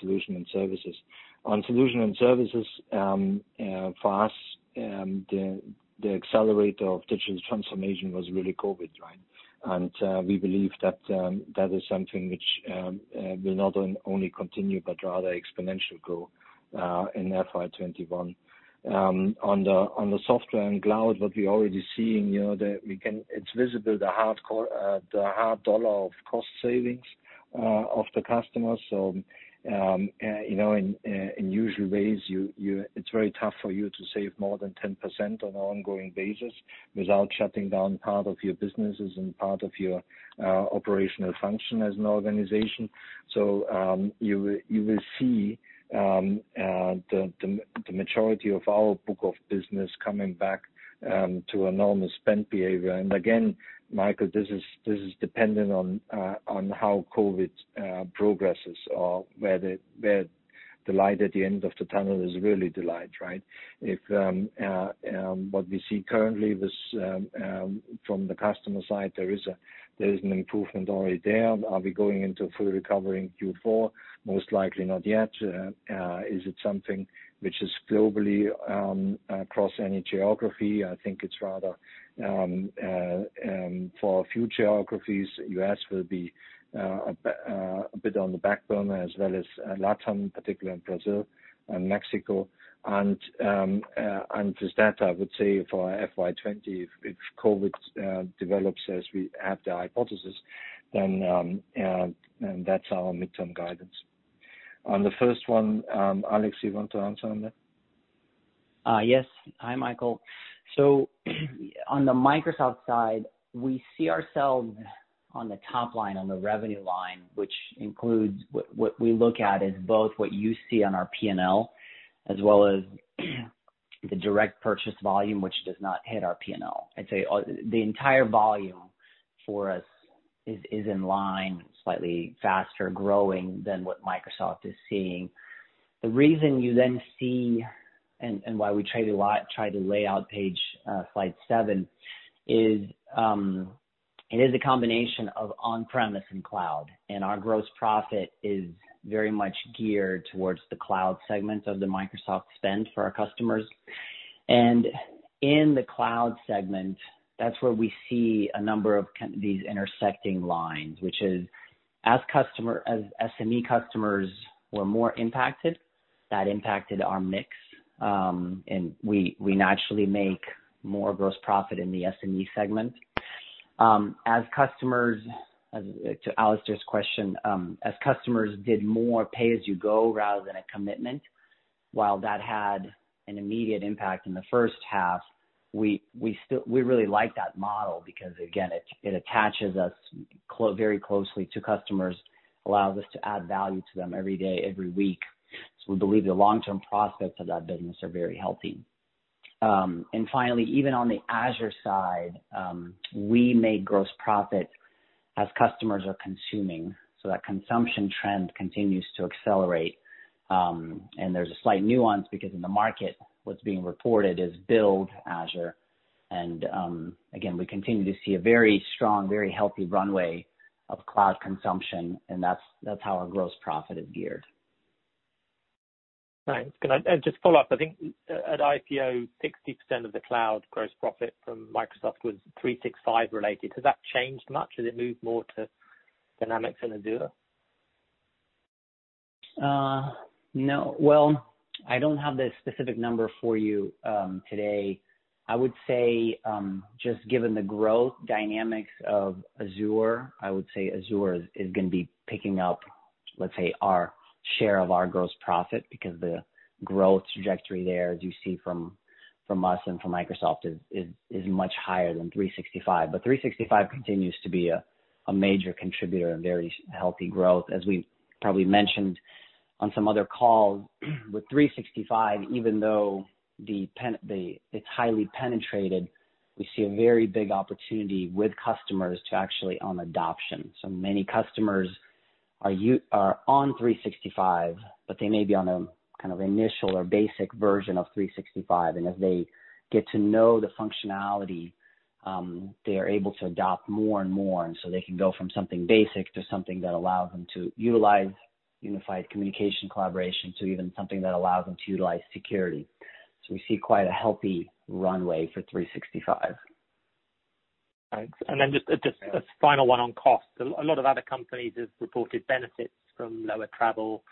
solution and services. On solution and services, for us, the accelerator of digital transformation was really COVID, right? We believe that is something which will not only continue, but rather exponentially grow in FY 2021. On the software and cloud, what we're already seeing, it's visible the hard dollar of cost savings of the customers. In usual ways, it's very tough for you to save more than 10% on an ongoing basis without shutting down part of your businesses and part of your operational function as an organization. You will see the majority of our book of business coming back to a normal spend behaviour. Again, Michael, this is dependent on how COVID progresses or where the light at the end of the tunnel is really the light, right? What we see currently from the customer side, there is an improvement already there. Are we going into a full recovery in Q4? Most likely not yet. Is it something which is globally across any geography? I think it's rather for a few geographies. U.S. will be a bit on the backbone, as well as LATAM, particularly in Brazil and Mexico. To that, I would say for FY 2020, if COVID develops as we have the hypothesis, then that's our midterm guidance. On the first one, Alex, you want to answer on that? Yes. Hi, Michael. On the Microsoft side, we see ourselves on the top line, on the revenue line, which includes what we look at as both what you see on our P&L as well as the direct purchase volume, which does not hit our P&L. I'd say the entire volume for us is in line, slightly faster growing than what Microsoft is seeing. The reason you see, and why we try to lay out slide seven, is it is a combination of on-premise and cloud, and our gross profit is very much geared towards the cloud segment of the Microsoft spend for our customers. In the cloud segment, that's where we see a number of these intersecting lines, which is as SME customers were more impacted, that impacted our mix. We naturally make more gross profit in the SME segment. To Alastair's question, as customers did more pay-as-you-go rather than a commitment, while that had an immediate impact in the first half, we really like that model because, again, it attaches us very closely to customers, allows us to add value to them every day, every week. We believe the long-term prospects of that business are very healthy. Finally, even on the Azure side, we make gross profit as customers are consuming. That consumption trend continues to accelerate. There's a slight nuance because in the market, what's being reported is build Azure. Again, we continue to see a very strong, very healthy runway of cloud consumption, and that's how our gross profit is geared. Thanks. Can I just follow up? I think at IPO, 60% of the cloud gross profit from Microsoft was 365 related. Has that changed much? Has it moved more to Dynamics and Azure? Well, I don't have the specific number for you today. I would say, just given the growth dynamics of Azure, I would say Azure is going to be picking up, let's say, our share of our gross profit, because the growth trajectory there, as you see from us and from Microsoft, is much higher than 365. 365 continues to be a major contributor and very healthy growth. We probably mentioned on some other calls, with 365, even though it's highly penetrated, we see a very big opportunity with customers to actually own adoption. Many customers are on 365, but they may be on a kind of initial or basic version of 365. As they get to know the functionality, they are able to adopt more and more, and so they can go from something basic to something that allows them to utilize unified communication collaboration, to even something that allows them to utilize security. We see quite a healthy runway for 365. Thanks. Then just a final one on cost. A lot of other companies have reported benefits from lower travel,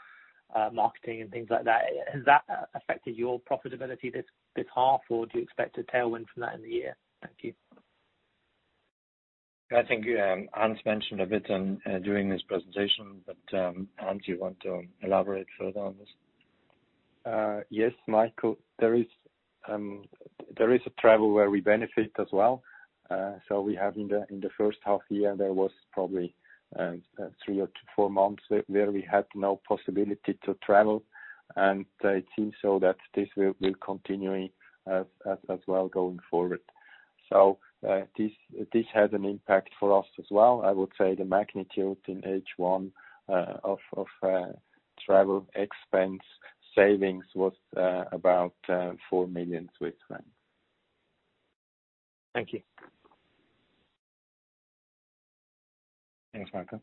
marketing and things like that. Has that affected your profitability this half, or do you expect a tailwind from that in the year? Thank you. I think Hans mentioned a bit during his presentation, but, Hans, you want to elaborate further on this? Yes, Michael, there is a travel where we benefit as well. We have in the first half year, there was probably three or four months where we had no possibility to travel, and it seems so that this will be continuing as well going forward. This has an impact for us as well. I would say the magnitude in H1 of travel expense savings was about 4 million Swiss francs. Thank you. Thanks, Michael.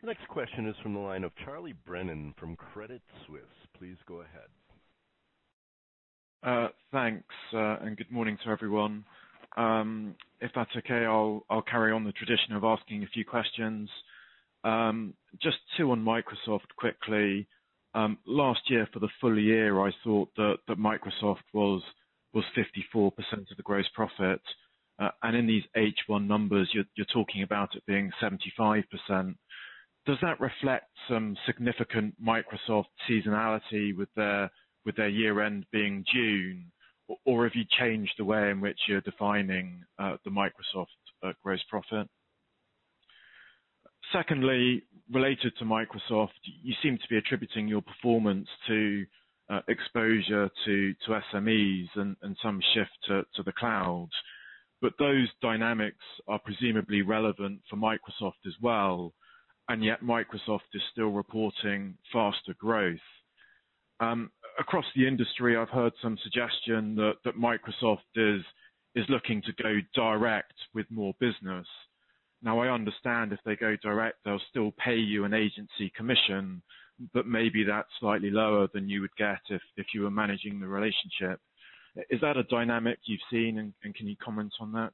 The next question is from the line of Charles Brennan from Credit Suisse. Please go ahead. Thanks. Good morning to everyone. If that's okay, I'll carry on the tradition of asking a few questions. Just two on Microsoft quickly. Last year, for the full year, I thought that Microsoft was 54% of the gross profit. In these H1 numbers, you're talking about it being 75%. Does that reflect some significant Microsoft seasonality with their year-end being June, or have you changed the way in which you're defining the Microsoft gross profit? Secondly, related to Microsoft, you seem to be attributing your performance to exposure to SMEs and some shift to the cloud. Those dynamics are presumably relevant for Microsoft as well, and yet Microsoft is still reporting faster growth. Across the industry, I've heard some suggestion that Microsoft is looking to go direct with more business. I understand if they go direct, they'll still pay you an agency commission, but maybe that's slightly lower than you would get if you were managing the relationship. Is that a dynamic you've seen, and can you comment on that?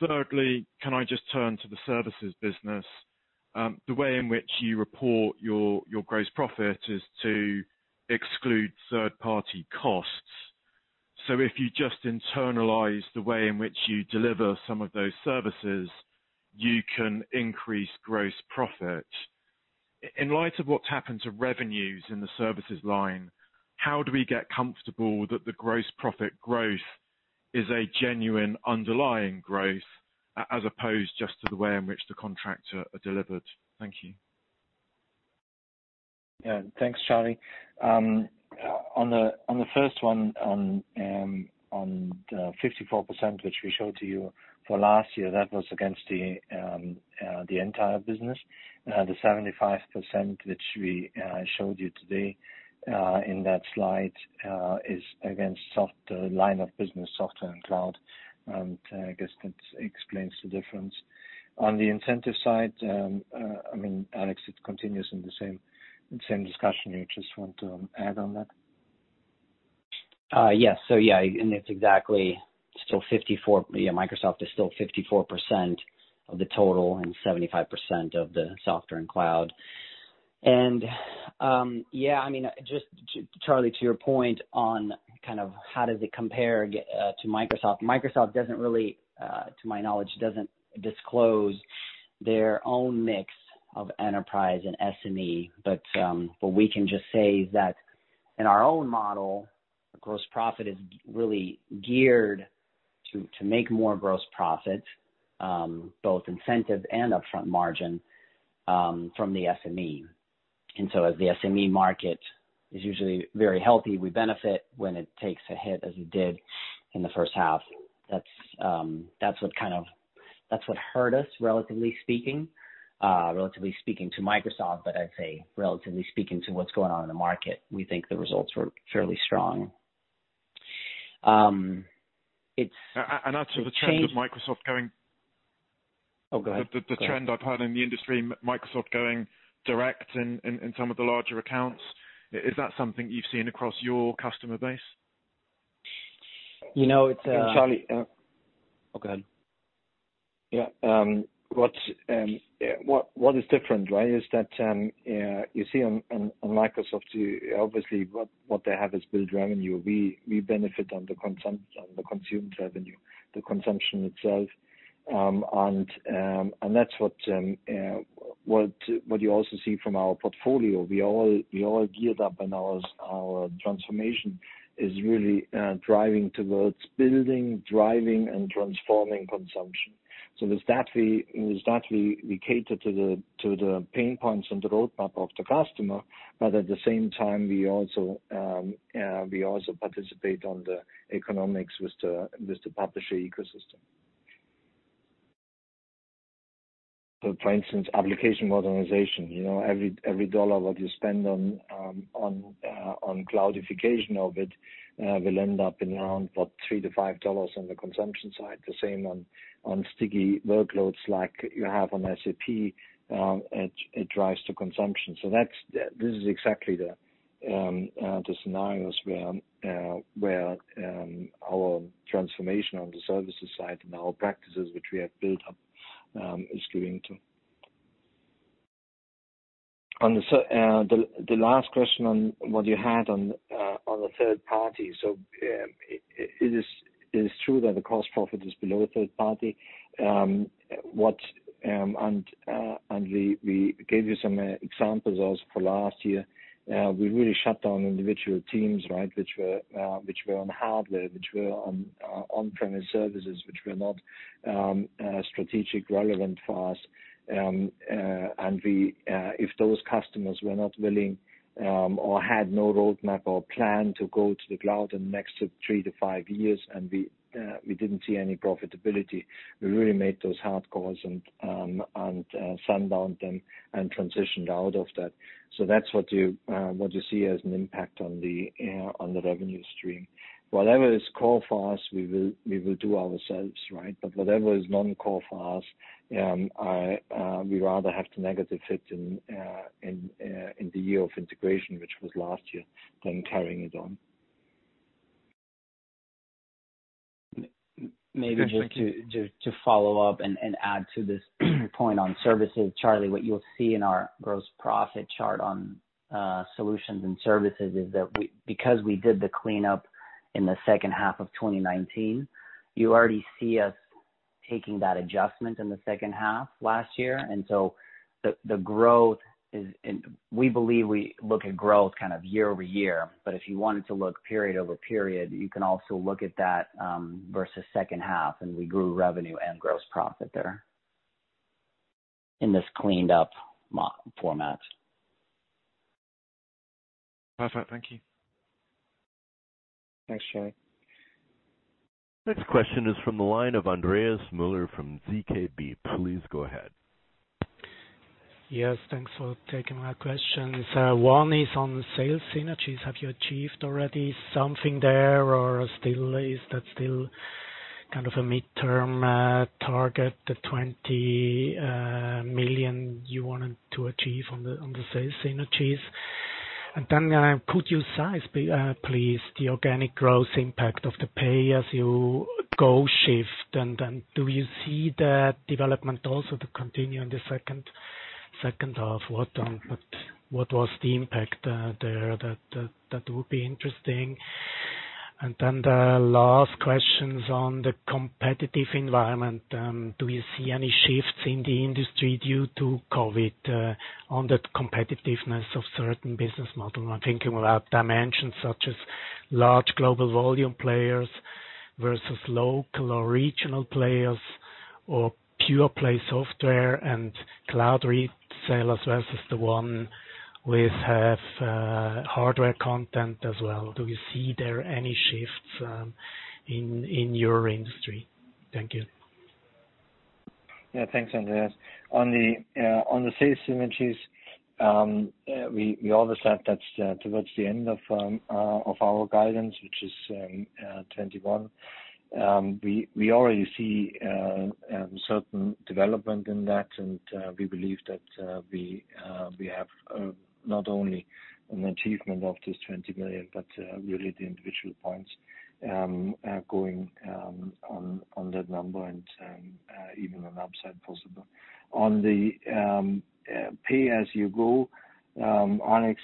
Thirdly, can I just turn to the services business? The way in which you report your gross profit is to exclude third-party costs. If you just internalize the way in which you deliver some of those services, you can increase gross profit. In light of what's happened to revenues in the services line, how do we get comfortable that the gross profit growth is a genuine underlying growth as opposed just to the way in which the contracts are delivered? Thank you. Yeah. Thanks, Charlie. On the first one, on the 54%, which we showed to you for last year, that was against the entire business. The 75%, which we showed you today in that slide, is against line of business software and cloud, and I guess that explains the difference. On the incentive side, Alex, it continues in the same discussion. You just want to add on that? Yes. It's exactly still 54. Microsoft is still 54% of the total and 75% of the software and cloud. Charlie, to your point on how does it compare to Microsoft. Microsoft doesn't really, to my knowledge, doesn't disclose their own mix of enterprise and SME. What we can just say is that in our own model, gross profit is really geared to make more gross profit, both incentive and upfront margin, from the SME. As the SME market is usually very healthy, we benefit when it takes a hit as it did in the first half. That's what hurt us, relatively speaking to Microsoft. I'd say, relatively speaking to what's going on in the market, we think the results were fairly strong. Add to the trend of Microsoft. Oh, go ahead. The trend I've heard in the industry, Microsoft going direct in some of the larger accounts. Is that something you've seen across your customer base? It's a- Charlie. Oh, go ahead. Yeah. What is different is that you see on Microsoft, obviously, what they have is bill revenue. We benefit on the consumer's revenue, the consumption itself. That's what you also see from our portfolio. We all geared up and our transformation is really driving towards building, driving, and transforming consumption. With that, we cater to the pain points and the road map of the customer. At the same time, we also participate on the economics with the publisher ecosystem. For instance, application modernization. Every dollar what you spend on cloudification of it, will end up in around about three to $5 on the consumption side. The same on sticky workloads like you have on SAP, it drives to consumption. This is exactly the scenarios where our transformation on the services side and our practices, which we have built up, is going to. The last question on what you had on the third party. It is true that the cost profit is below third party. We gave you some examples also for last year. We really shut down individual teams which were on hardware, which were on-premise services, which were not strategic relevant for us. If those customers were not willing or had no road map or plan to go to the cloud in the next three to five years, and we didn't see any profitability, we really made those hard calls and unwound them and transitioned out of that. That's what you see as an impact on the revenue stream. Whatever is core for us, we will do ourselves. Whatever is non-core for us, we rather have the negative hit in the year of integration, which was last year, than carrying it on. Maybe just to follow up and add to this point on services, Charlie, what you'll see in our gross profit chart on solutions and services is that because we did the cleanup in the second half of 2019, you already see us taking that adjustment in the second half last year. We believe we look at growth year-over-year, but if you wanted to look period-over-period, you can also look at that versus second half, and we grew revenue and gross profit there in this cleaned-up format. Perfect. Thank you. Thanks, Charlie. Next question is from the line of Andreas Müller from ZKB. Please go ahead. Yes, thanks for taking my questions. One is on sales synergies. Have you achieved already something there or is that still a midterm target, the 20 million you wanted to achieve on the sales synergies? Could you size, please, the organic growth impact of the pay-as-you-go shift? Do you see that development also to continue in the second half? What was the impact there? That would be interesting. The last question is on the competitive environment. Do you see any shifts in the industry due to COVID on the competitiveness of certain business model? I'm thinking about dimensions such as large global volume players versus local or regional players. Or pure play software and cloud resale, as well as the one with have hardware content as well. Do you see there any shifts in your industry? Thank you. Yeah. Thanks, Andreas. On the sales synergies, we always said that's towards the end of our guidance, which is 2021. We already see a certain development in that, and we believe that we have not only an achievement of this 20 million, but really the individual points are going on that number, and even an upside possible. On the pay-as-you-go, Alex,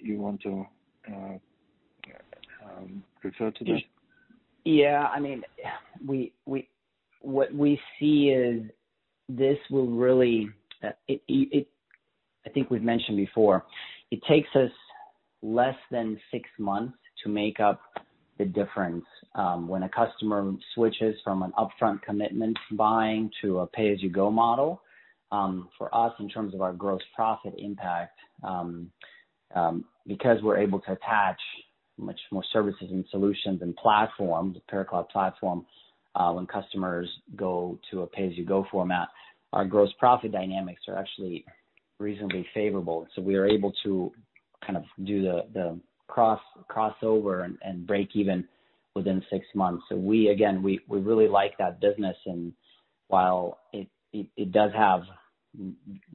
you want to refer to this? Yeah. What we see is this will really I think we've mentioned before, it takes us less than six months to make up the difference when a customer switches from an upfront commitment buying to a pay-as-you-go model. For us, in terms of our gross profit impact, because we're able to attach much more services and solutions and platforms, PyraCloud platform, when customers go to a pay-as-you-go format, our gross profit dynamics are actually reasonably favorable. We are able to do the crossover and break even within six months. Again, we really like that business, and while it does have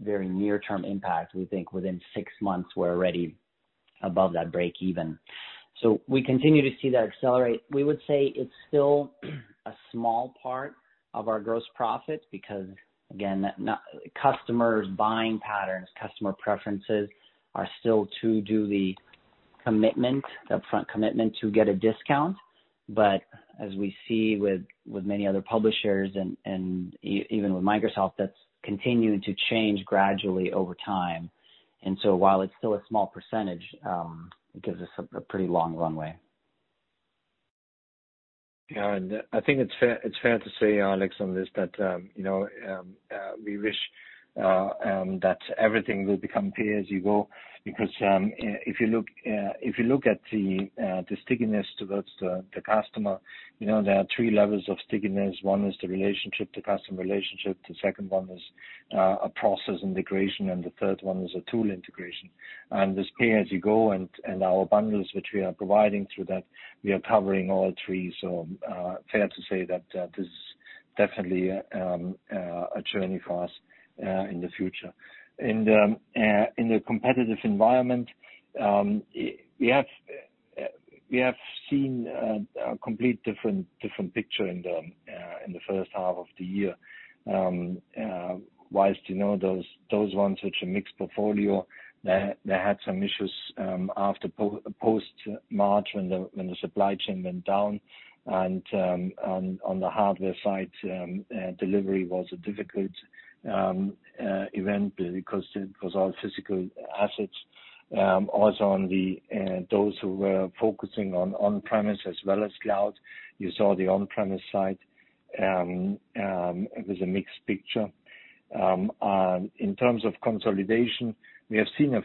very near-term impact, we think within six months, we're already above that break even. We continue to see that accelerate. We would say it's still a small part of our gross profit because, again, customers' buying patterns, customer preferences are still to do the commitment, the upfront commitment to get a discount. As we see with many other publishers, and even with Microsoft, that's continuing to change gradually over time. While it's still a small percentage, it gives us a pretty long runway. I think it's fair to say, Alex, on this, that we wish that everything will become pay-as-you-go. If you look at the stickiness towards the customer, there are three levels of stickiness. One is the relationship, the customer relationship. The second one is a process integration, and the third one is a tool integration. This pay-as-you-go and our bundles which we are providing through that, we are covering all three. Fair to say that this is definitely a journey for us in the future. In the competitive environment, we have seen a complete different picture in the first half of the year. Wise to know those ones, which are mixed portfolio, they had some issues post-March when the supply chain went down, and on the hardware side, delivery was a difficult event because it was all physical assets. Also on those who were focusing on on-premises as well as cloud, you saw the on-premises side. It was a mixed picture. In terms of consolidation, we have seen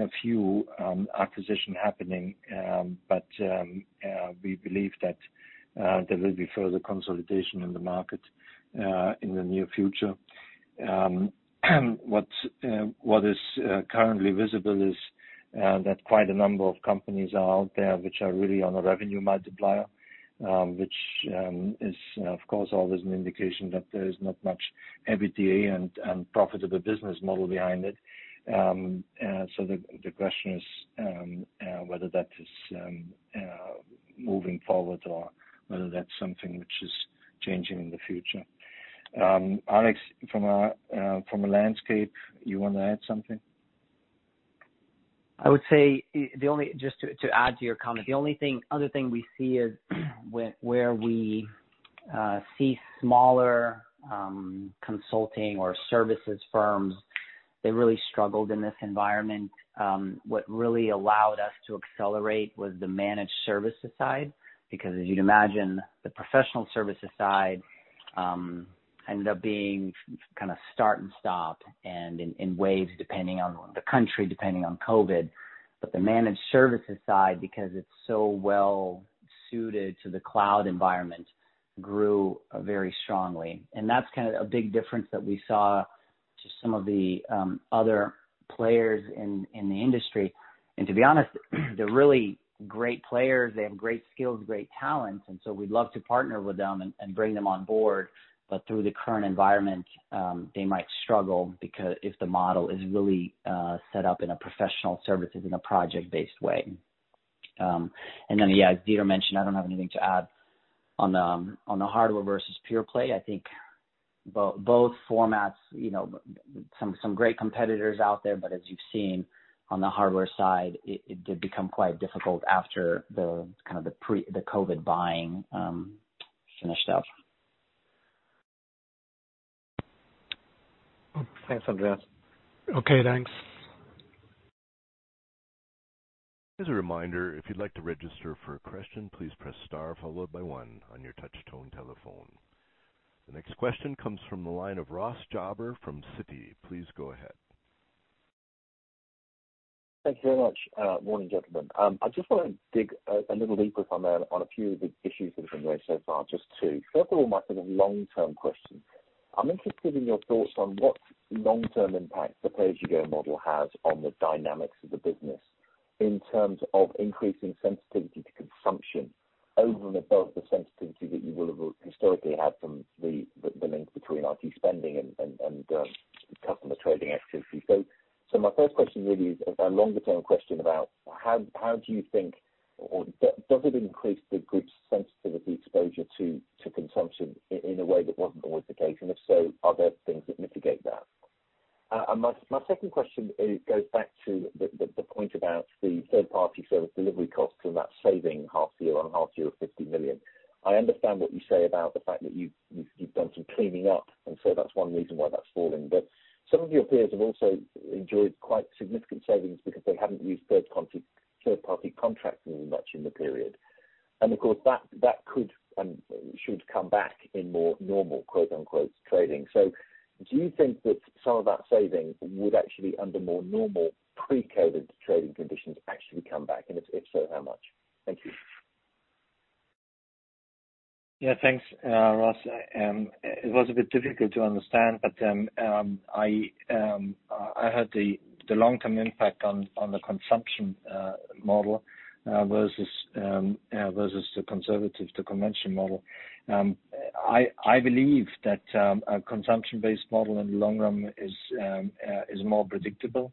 a few acquisitions happening. We believe that there will be further consolidation in the market, in the near future. What is currently visible is that quite a number of companies are out there which are really on a revenue multiplier, which is, of course, always an indication that there is not much EBITDA and profitable business model behind it. The question is whether that is moving forward or whether that's something which is changing in the future. Alex, from a landscape, you want to add something? I would say, just to add to your comment, the only other thing we see is where we see smaller consulting or services firms, they really struggled in this environment. What really allowed us to accelerate was the managed services side, because as you'd imagine, the professional services side ended up being start and stop and in waves, depending on the country, depending on COVID. The managed services side, because it's so well-suited to the cloud environment, grew very strongly. That's a big difference that we saw to some of the other players in the industry. To be honest, they're really great players. They have great skills, great talents, and so we'd love to partner with them and bring them on board. Through the current environment, they might struggle if the model is really set up in a professional services in a project-based way. As Dieter mentioned, I don't have anything to add on the hardware versus pure-play. I think both formats, some great competitors out there, but as you've seen on the hardware side, it did become quite difficult after the COVID buying finished up. Thanks, Andreas. Okay, thanks. As a reminder, if you'd like to register for a question, please press star followed by one on your touch-tone telephone. The next question comes from the line of Ross Jobber from Citi. Please go ahead. Thank you very much. Morning, gentlemen. I just want to dig a little deeper on a few of the issues that have been raised so far, just two. My sort of long-term question. I'm interested in your thoughts on what long-term impact the pay-as-you-go model has on the dynamics of the business in terms of increasing sensitivity to consumption over and above the sensitivity that you will have historically had from the link between IT spending and customer trading activity. My first question really is a longer-term question about how do you think, or does it increase the group's sensitivity exposure to consumption in a way that wasn't always the case? If so, are there things that mitigate that? My second question goes back to the point about the third-party service delivery costs and that saving half year on half year of 50 million. I understand what you say about the fact that you've done some cleaning up, that's one reason why that's falling. Some of your peers have also enjoyed quite significant savings because they haven't used third-party contracting much in the period. Of course, that could and should come back in more normal, quote-unquote, trading. Do you think that some of that saving would actually, under more normal pre-COVID trading conditions, actually come back? If so, how much? Thank you. Thanks, Ross. It was a bit difficult to understand, but I heard the long-term impact on the consumption model versus the convention model. I believe that a consumption-based model in the long run is more predictable,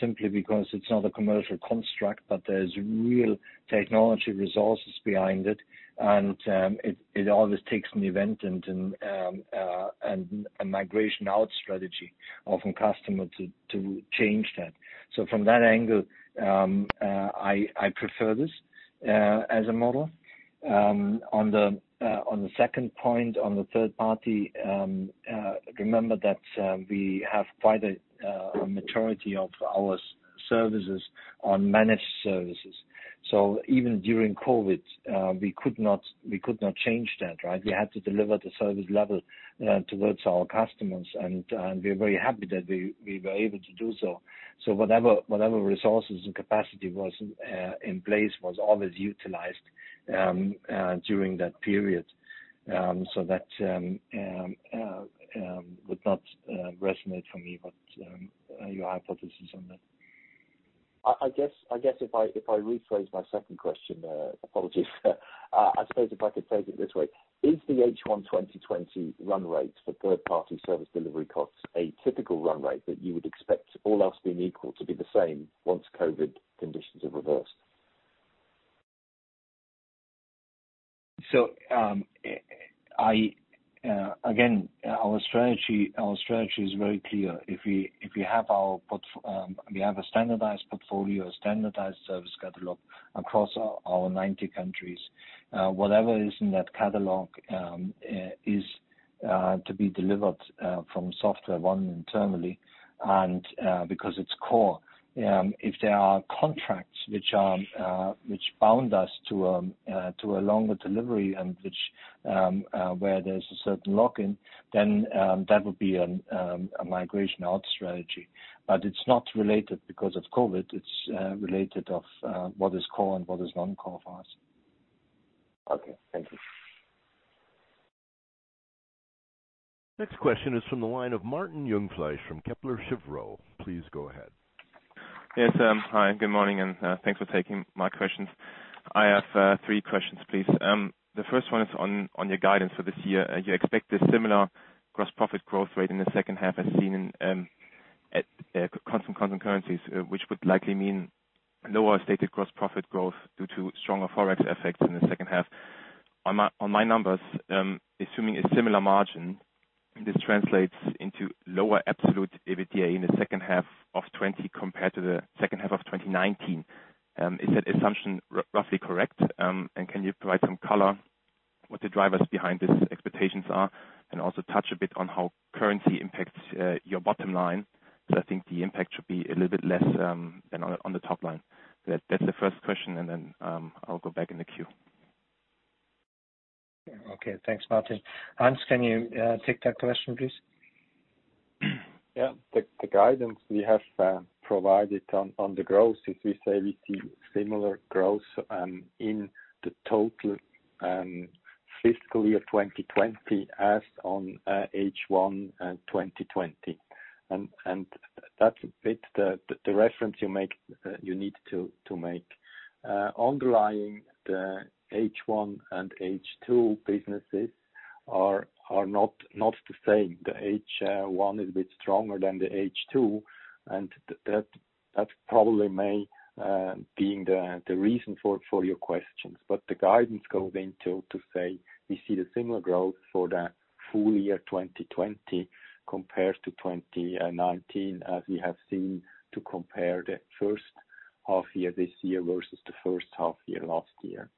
simply because it's not a commercial construct, but there's real technology resources behind it. It always takes an event and a migration out strategy, often customer, to change that. From that angle, I prefer this as a model. On the second point, on the third party, remember that we have quite a maturity of our services on managed services. Even during COVID, we could not change that, right? We had to deliver the service level towards our customers, and we are very happy that we were able to do so. Whatever resources and capacity was in place was always utilized during that period. That would not resonate for me, but your hypothesis on that. I guess if I rephrase my second question, apologies. I suppose if I could phrase it this way, is the H1 2020 run rate for third-party service delivery costs a typical run rate that you would expect, all else being equal, to be the same once COVID conditions have reversed? Again, our strategy is very clear. If we have a standardized portfolio, a standardized service catalog across our 90 countries, whatever is in that catalog is to be delivered from SoftwareONE internally, and because it's core. If there are contracts which bound us to a longer delivery and where there's a certain lock-in, then that would be a migration out strategy. It's not related because of COVID, it's related of what is core and what is non-core for us. Okay. Thank you. Next question is from the line of Martin Jungfleisch from Kepler Cheuvreux. Please go ahead. Yes. Hi, good morning, and thanks for taking my questions. I have three questions, please. The first one is on your guidance for this year. You expect a similar gross profit growth rate in the second half as seen in at constant currencies, which would likely mean lower stated gross profit growth due to stronger forex effects in the second half. On my numbers, assuming a similar margin, this translates into lower absolute EBITDA in the second half of 2020 compared to the second half of 2019. Is that assumption roughly correct? Can you provide some color what the drivers behind these expectations are, and also touch a bit on how currency impacts your bottom line? I think the impact should be a little bit less than on the top line. That's the first question, and then I'll go back in the queue. Okay, thanks, Martin. Hans, can you take that question, please? Yeah. The guidance we have provided on the growth is we say we see similar growth in the total fiscal year 2020 as on H1 2020. That's a bit the reference you need to make. Underlying the H1 and H2 businesses are not the same. The H1 is a bit stronger than the H2, and that probably may being the reason for your questions. The guidance goes into to say we see the similar growth for the full year 2020 compared to 2019 as we have seen to compare the first half year this year versus the first half year last year.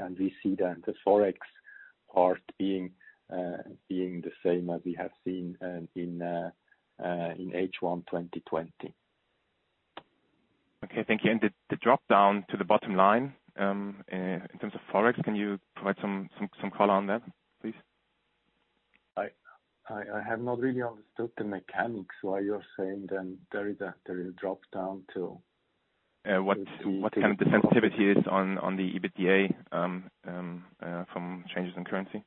We see that the Forex part being the same as we have seen in H1 2020. Okay. Thank you. The drop-down to the bottom line, in terms of Forex, can you provide some color on that, please? I have not really understood the mechanics why you're saying then there is a drop-down to? What kind of the sensitivity is on the EBITDA from changes in currency?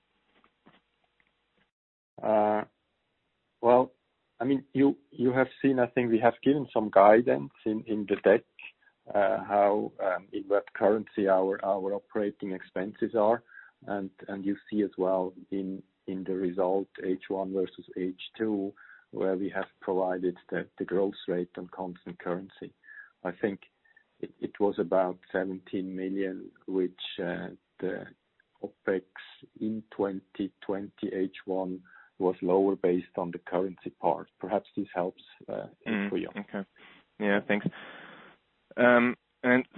Well, you have seen, I think we have given some guidance in the deck, how in what currency our OpEx are. You see as well in the result H1 versus H2, where we have provided the growth rate on constant currency. I think it was about 17 million, which the OpEx in 2020 H1 was lower based on the currency part. Perhaps this helps and for you. Okay. Yeah, thanks.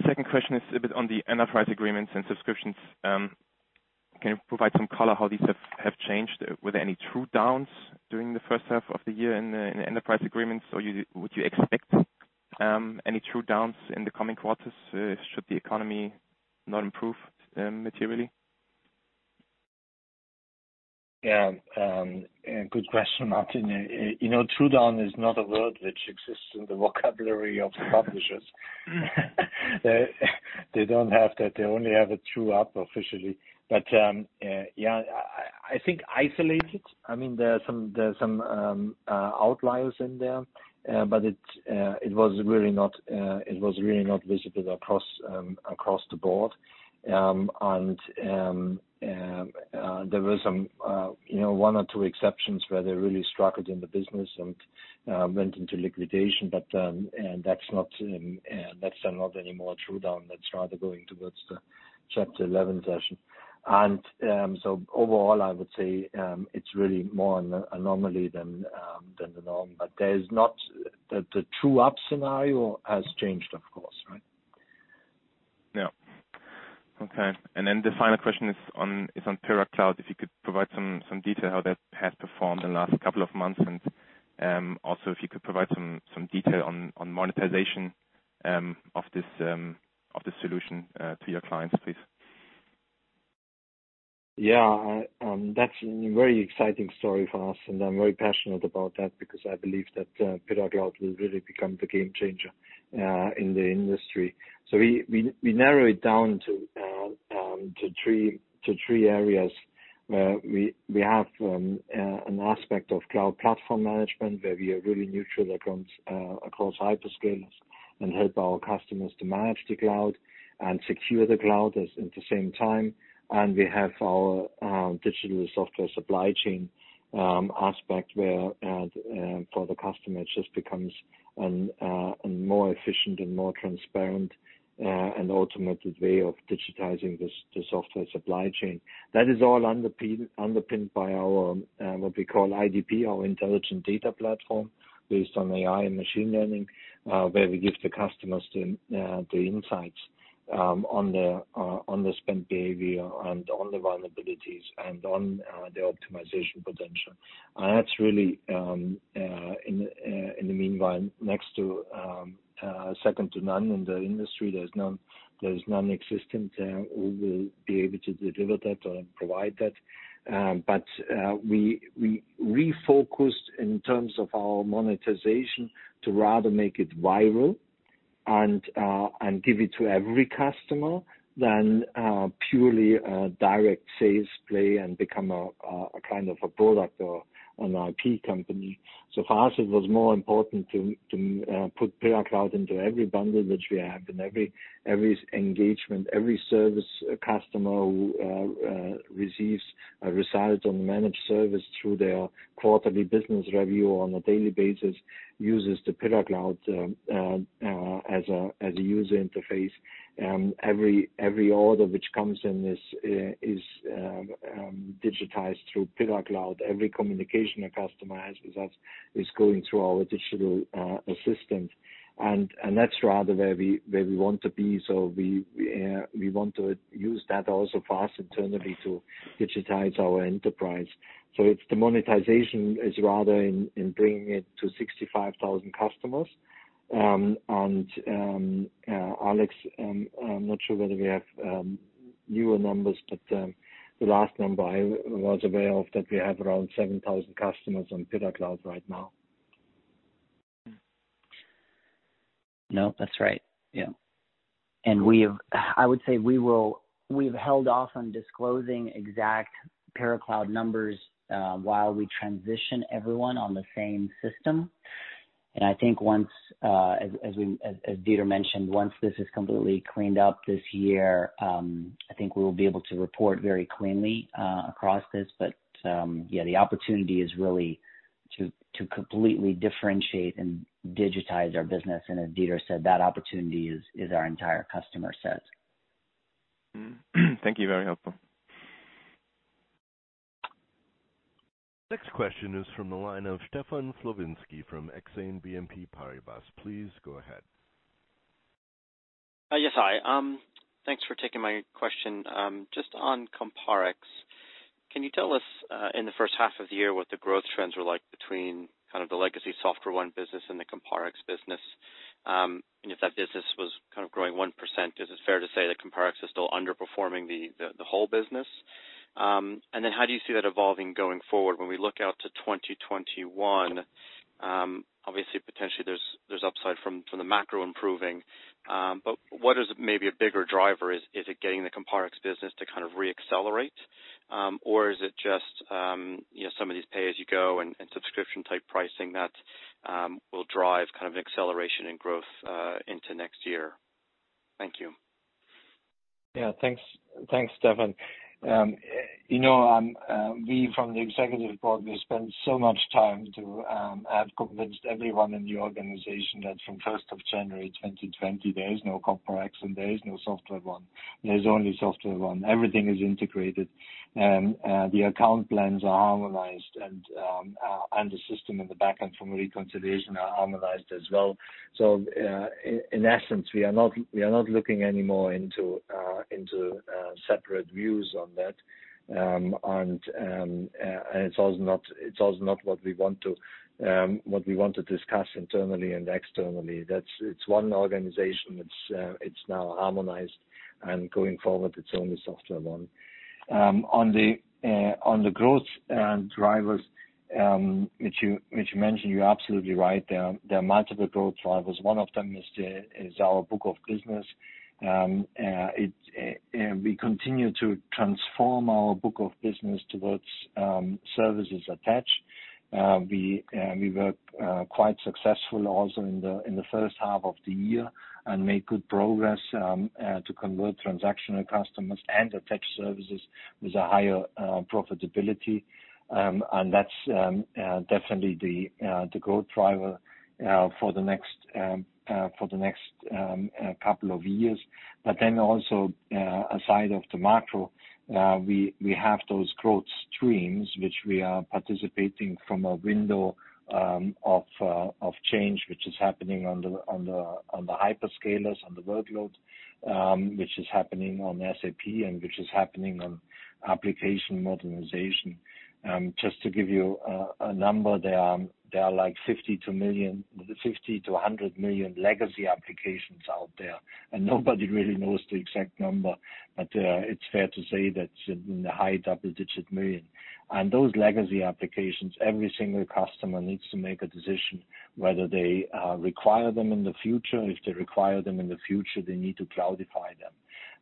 Second question is a bit on the enterprise agreements and subscriptions. Can you provide some color how these have changed? Were there any true downs during the first half of the year in the enterprise agreements, or would you expect any true downs in the coming quarters, should the economy not improve materially? Yeah. Good question, Martin. True down is not a word which exists in the vocabulary of publishers. They don't have that. They only have a true up officially. Yeah, I think isolated, there are some outliers in there. It was really not visible across the board. There were one or two exceptions where they really struggled in the business and went into liquidation, but, that's not anymore true down. That's rather going towards the Chapter 11 version. Overall, I would say, it's really more an anomaly than the norm, but the true-up scenario has changed, of course. Right? Yeah. Okay. Then the final question is on PyraCloud. If you could provide some detail how that has performed in the last couple of months, also if you could provide some detail on monetization of the solution to your clients, please. That's a very exciting story for us, and I'm very passionate about that because I believe that PyraCloud will really become the game changer in the industry. We narrow it down to three areas. We have an aspect of cloud platform management where we are really neutral across hyperscalers and help our customers to manage the cloud and secure the cloud at the same time. We have our digital software supply chain aspect where for the customer, it just becomes a more efficient and more transparent, and automated way of digitizing the software supply chain. That is all underpinned by our, what we call IDP, our intelligent data platform based on AI and machine learning, where we give the customers the insights on the spend behavior and on the vulnerabilities and on the optimization potential. That's really, in the meanwhile, second to none in the industry. There's none existent who will be able to deliver that or provide that. We refocused in terms of our monetization to rather make it viral and give it to every customer than purely a direct sales play and become a kind of a product or an IP company. For us, it was more important to put PyraCloud into every bundle which we have in every engagement, every service customer who receives a result on managed service through their quarterly business review on a daily basis uses the PyraCloud as a user interface. Every order which comes in is digitized through PyraCloud. Every communication a customer has with us is going through our digital assistant. That's rather where we want to be. We want to use that also for us internally to digitize our enterprise. The monetization is rather in bringing it to 65,000 customers. Alex, I'm not sure whether we have newer numbers, but the last number I was aware of, that we have around 7,000 customers on PyraCloud right now. No, that's right. Yeah. I would say we've held off on disclosing exact PyraCloud numbers, while we transition everyone on the same system. I think as Dieter mentioned, once this is completely cleaned up this year, I think we will be able to report very cleanly across this. Yeah, the opportunity is really to completely differentiate and digitize our business. As Dieter said, that opportunity is our entire customer set. Thank you. Very helpful. Next question is from the line of Stefan Slowinski from Exane BNP Paribas. Please go ahead. Yes. Hi. Thanks for taking my question. Just on Comparex, can you tell us in the first half of the year what the growth trends were like between the legacy SoftwareONE business and the Comparex business? If that business was growing 1%, is it fair to say that Comparex is still underperforming the whole business? How do you see that evolving going forward when we look out to 2021? Obviously, potentially there's upside from the macro improving. What is maybe a bigger driver? Is it getting the Comparex business to re-accelerate? Or is it just some of these pay-as-you-go and subscription-type pricing that will drive acceleration and growth into next year? Thank you. Yeah. Thanks, Stefan. We from the executive board spend so much time to have convinced everyone in the organization that from 1st of January 2020, there is no Comparex and there is no SoftwareONE. There's only SoftwareONE. Everything is integrated. The account plans are harmonized and the system in the back end from reconciliation are harmonized as well. In essence, we are not looking anymore into separate views on that. It's also not what we want to discuss internally and externally. It's one organization. It's now harmonized, and going forward, it's only SoftwareONE. On the growth drivers which you mentioned, you're absolutely right. There are multiple growth drivers. One of them is our book of business. We continue to transform our book of business towards services attached. We were quite successful also in the first half of the year and made good progress to convert transactional customers and attach services with a higher profitability. That's definitely the growth driver for the next couple of years. Aside of the macro we have those growth streams, which we are participating from a window of change, which is happening on the hyperscalers, on the workload, which is happening on SAP and which is happening on application modernization. Just to give you a number, there are 50 million-100 million legacy applications out there, and nobody really knows the exact number. It's fair to say that it's in the high double-digit million. Those legacy applications, every single customer needs to make a decision whether they require them in the future. If they require them in the future, they need to cloudify them.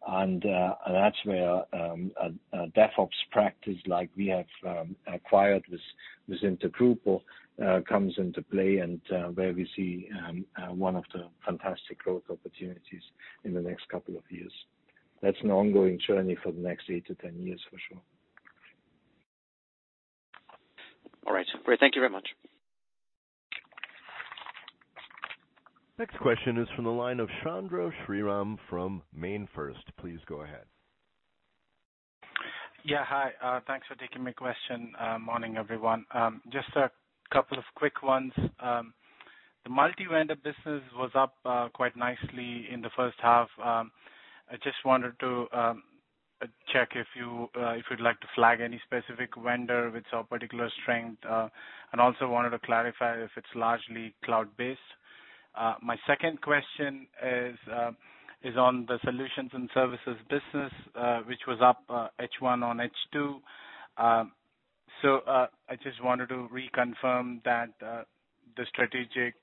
That's where a DevOps practice like we have acquired with Intergrupo comes into play and where we see one of the fantastic growth opportunities in the next couple of years. That's an ongoing journey for the next eight to 10 years, for sure. All right. Great. Thank you very much. Next question is from the line of Chandru Sriraman from Mainfirst. Please go ahead. Yeah. Hi. Thanks for taking my question. Morning, everyone. Just a couple of quick ones. The multi-vendor business was up quite nicely in the first half. I just wanted to check if you'd like to flag any specific vendor with a particular strength. Also wanted to clarify if it's largely cloud-based. My second question is on the solutions and services business, which was up H1 on H2. I just wanted to reconfirm that the strategic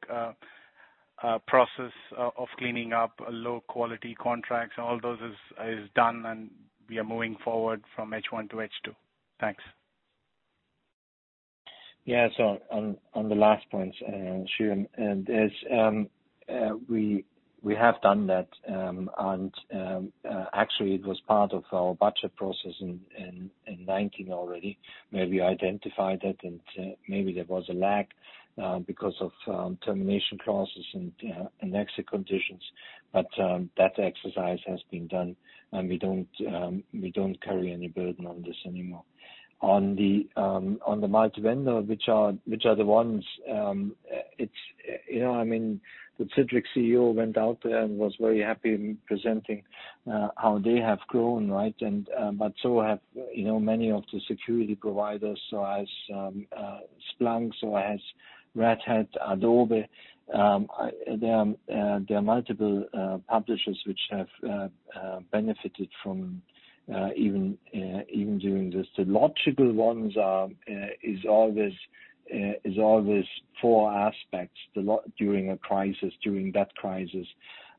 process of cleaning up low-quality contracts, all those is done, and we are moving forward from H1 to H2. Thanks. Yeah. On the last point, Chandru. We have done that. Actually, it was part of our budget process in 2019 already, where we identified it, and maybe there was a lag because of termination clauses and exit conditions. That exercise has been done, and we don't carry any burden on this anymore. On the multi-vendor, which are the Citrix CEO went out there and was very happy presenting how they have grown. So have many of the security providers. Has Splunk, so has Red Hat, Adobe. There are multiple publishers which have benefited from even during this. The logical ones is always four aspects during a crisis, during that crisis.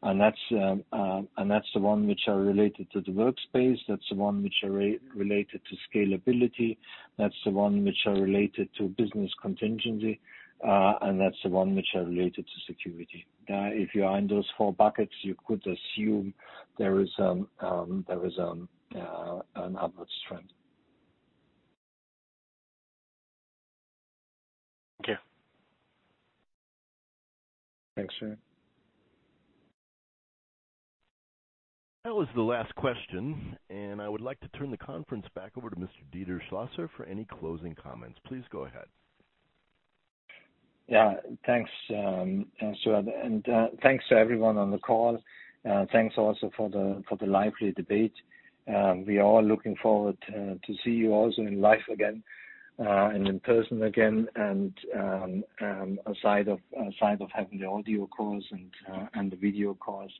That's the one which are related to the workspace, that's the one which are related to scalability, that's the one which are related to business contingency, and that's the one which are related to security. If you are in those four buckets, you could assume there is an upward trend. Okay. Thanks. That was the last question. I would like to turn the conference back over to Mr. Dieter Schlosser for any closing comments. Please go ahead. Yeah. Thanks. Thanks to everyone on the call. Thanks also for the lively debate. We are all looking forward to see you also in life again, and in person again, and aside of having the audio calls and the video calls.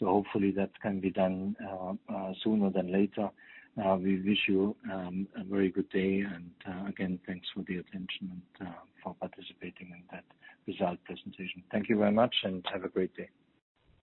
Hopefully that can be done sooner than later. We wish you a very good day, and again, thanks for the attention and for participating in that result presentation. Thank you very much, and have a great day.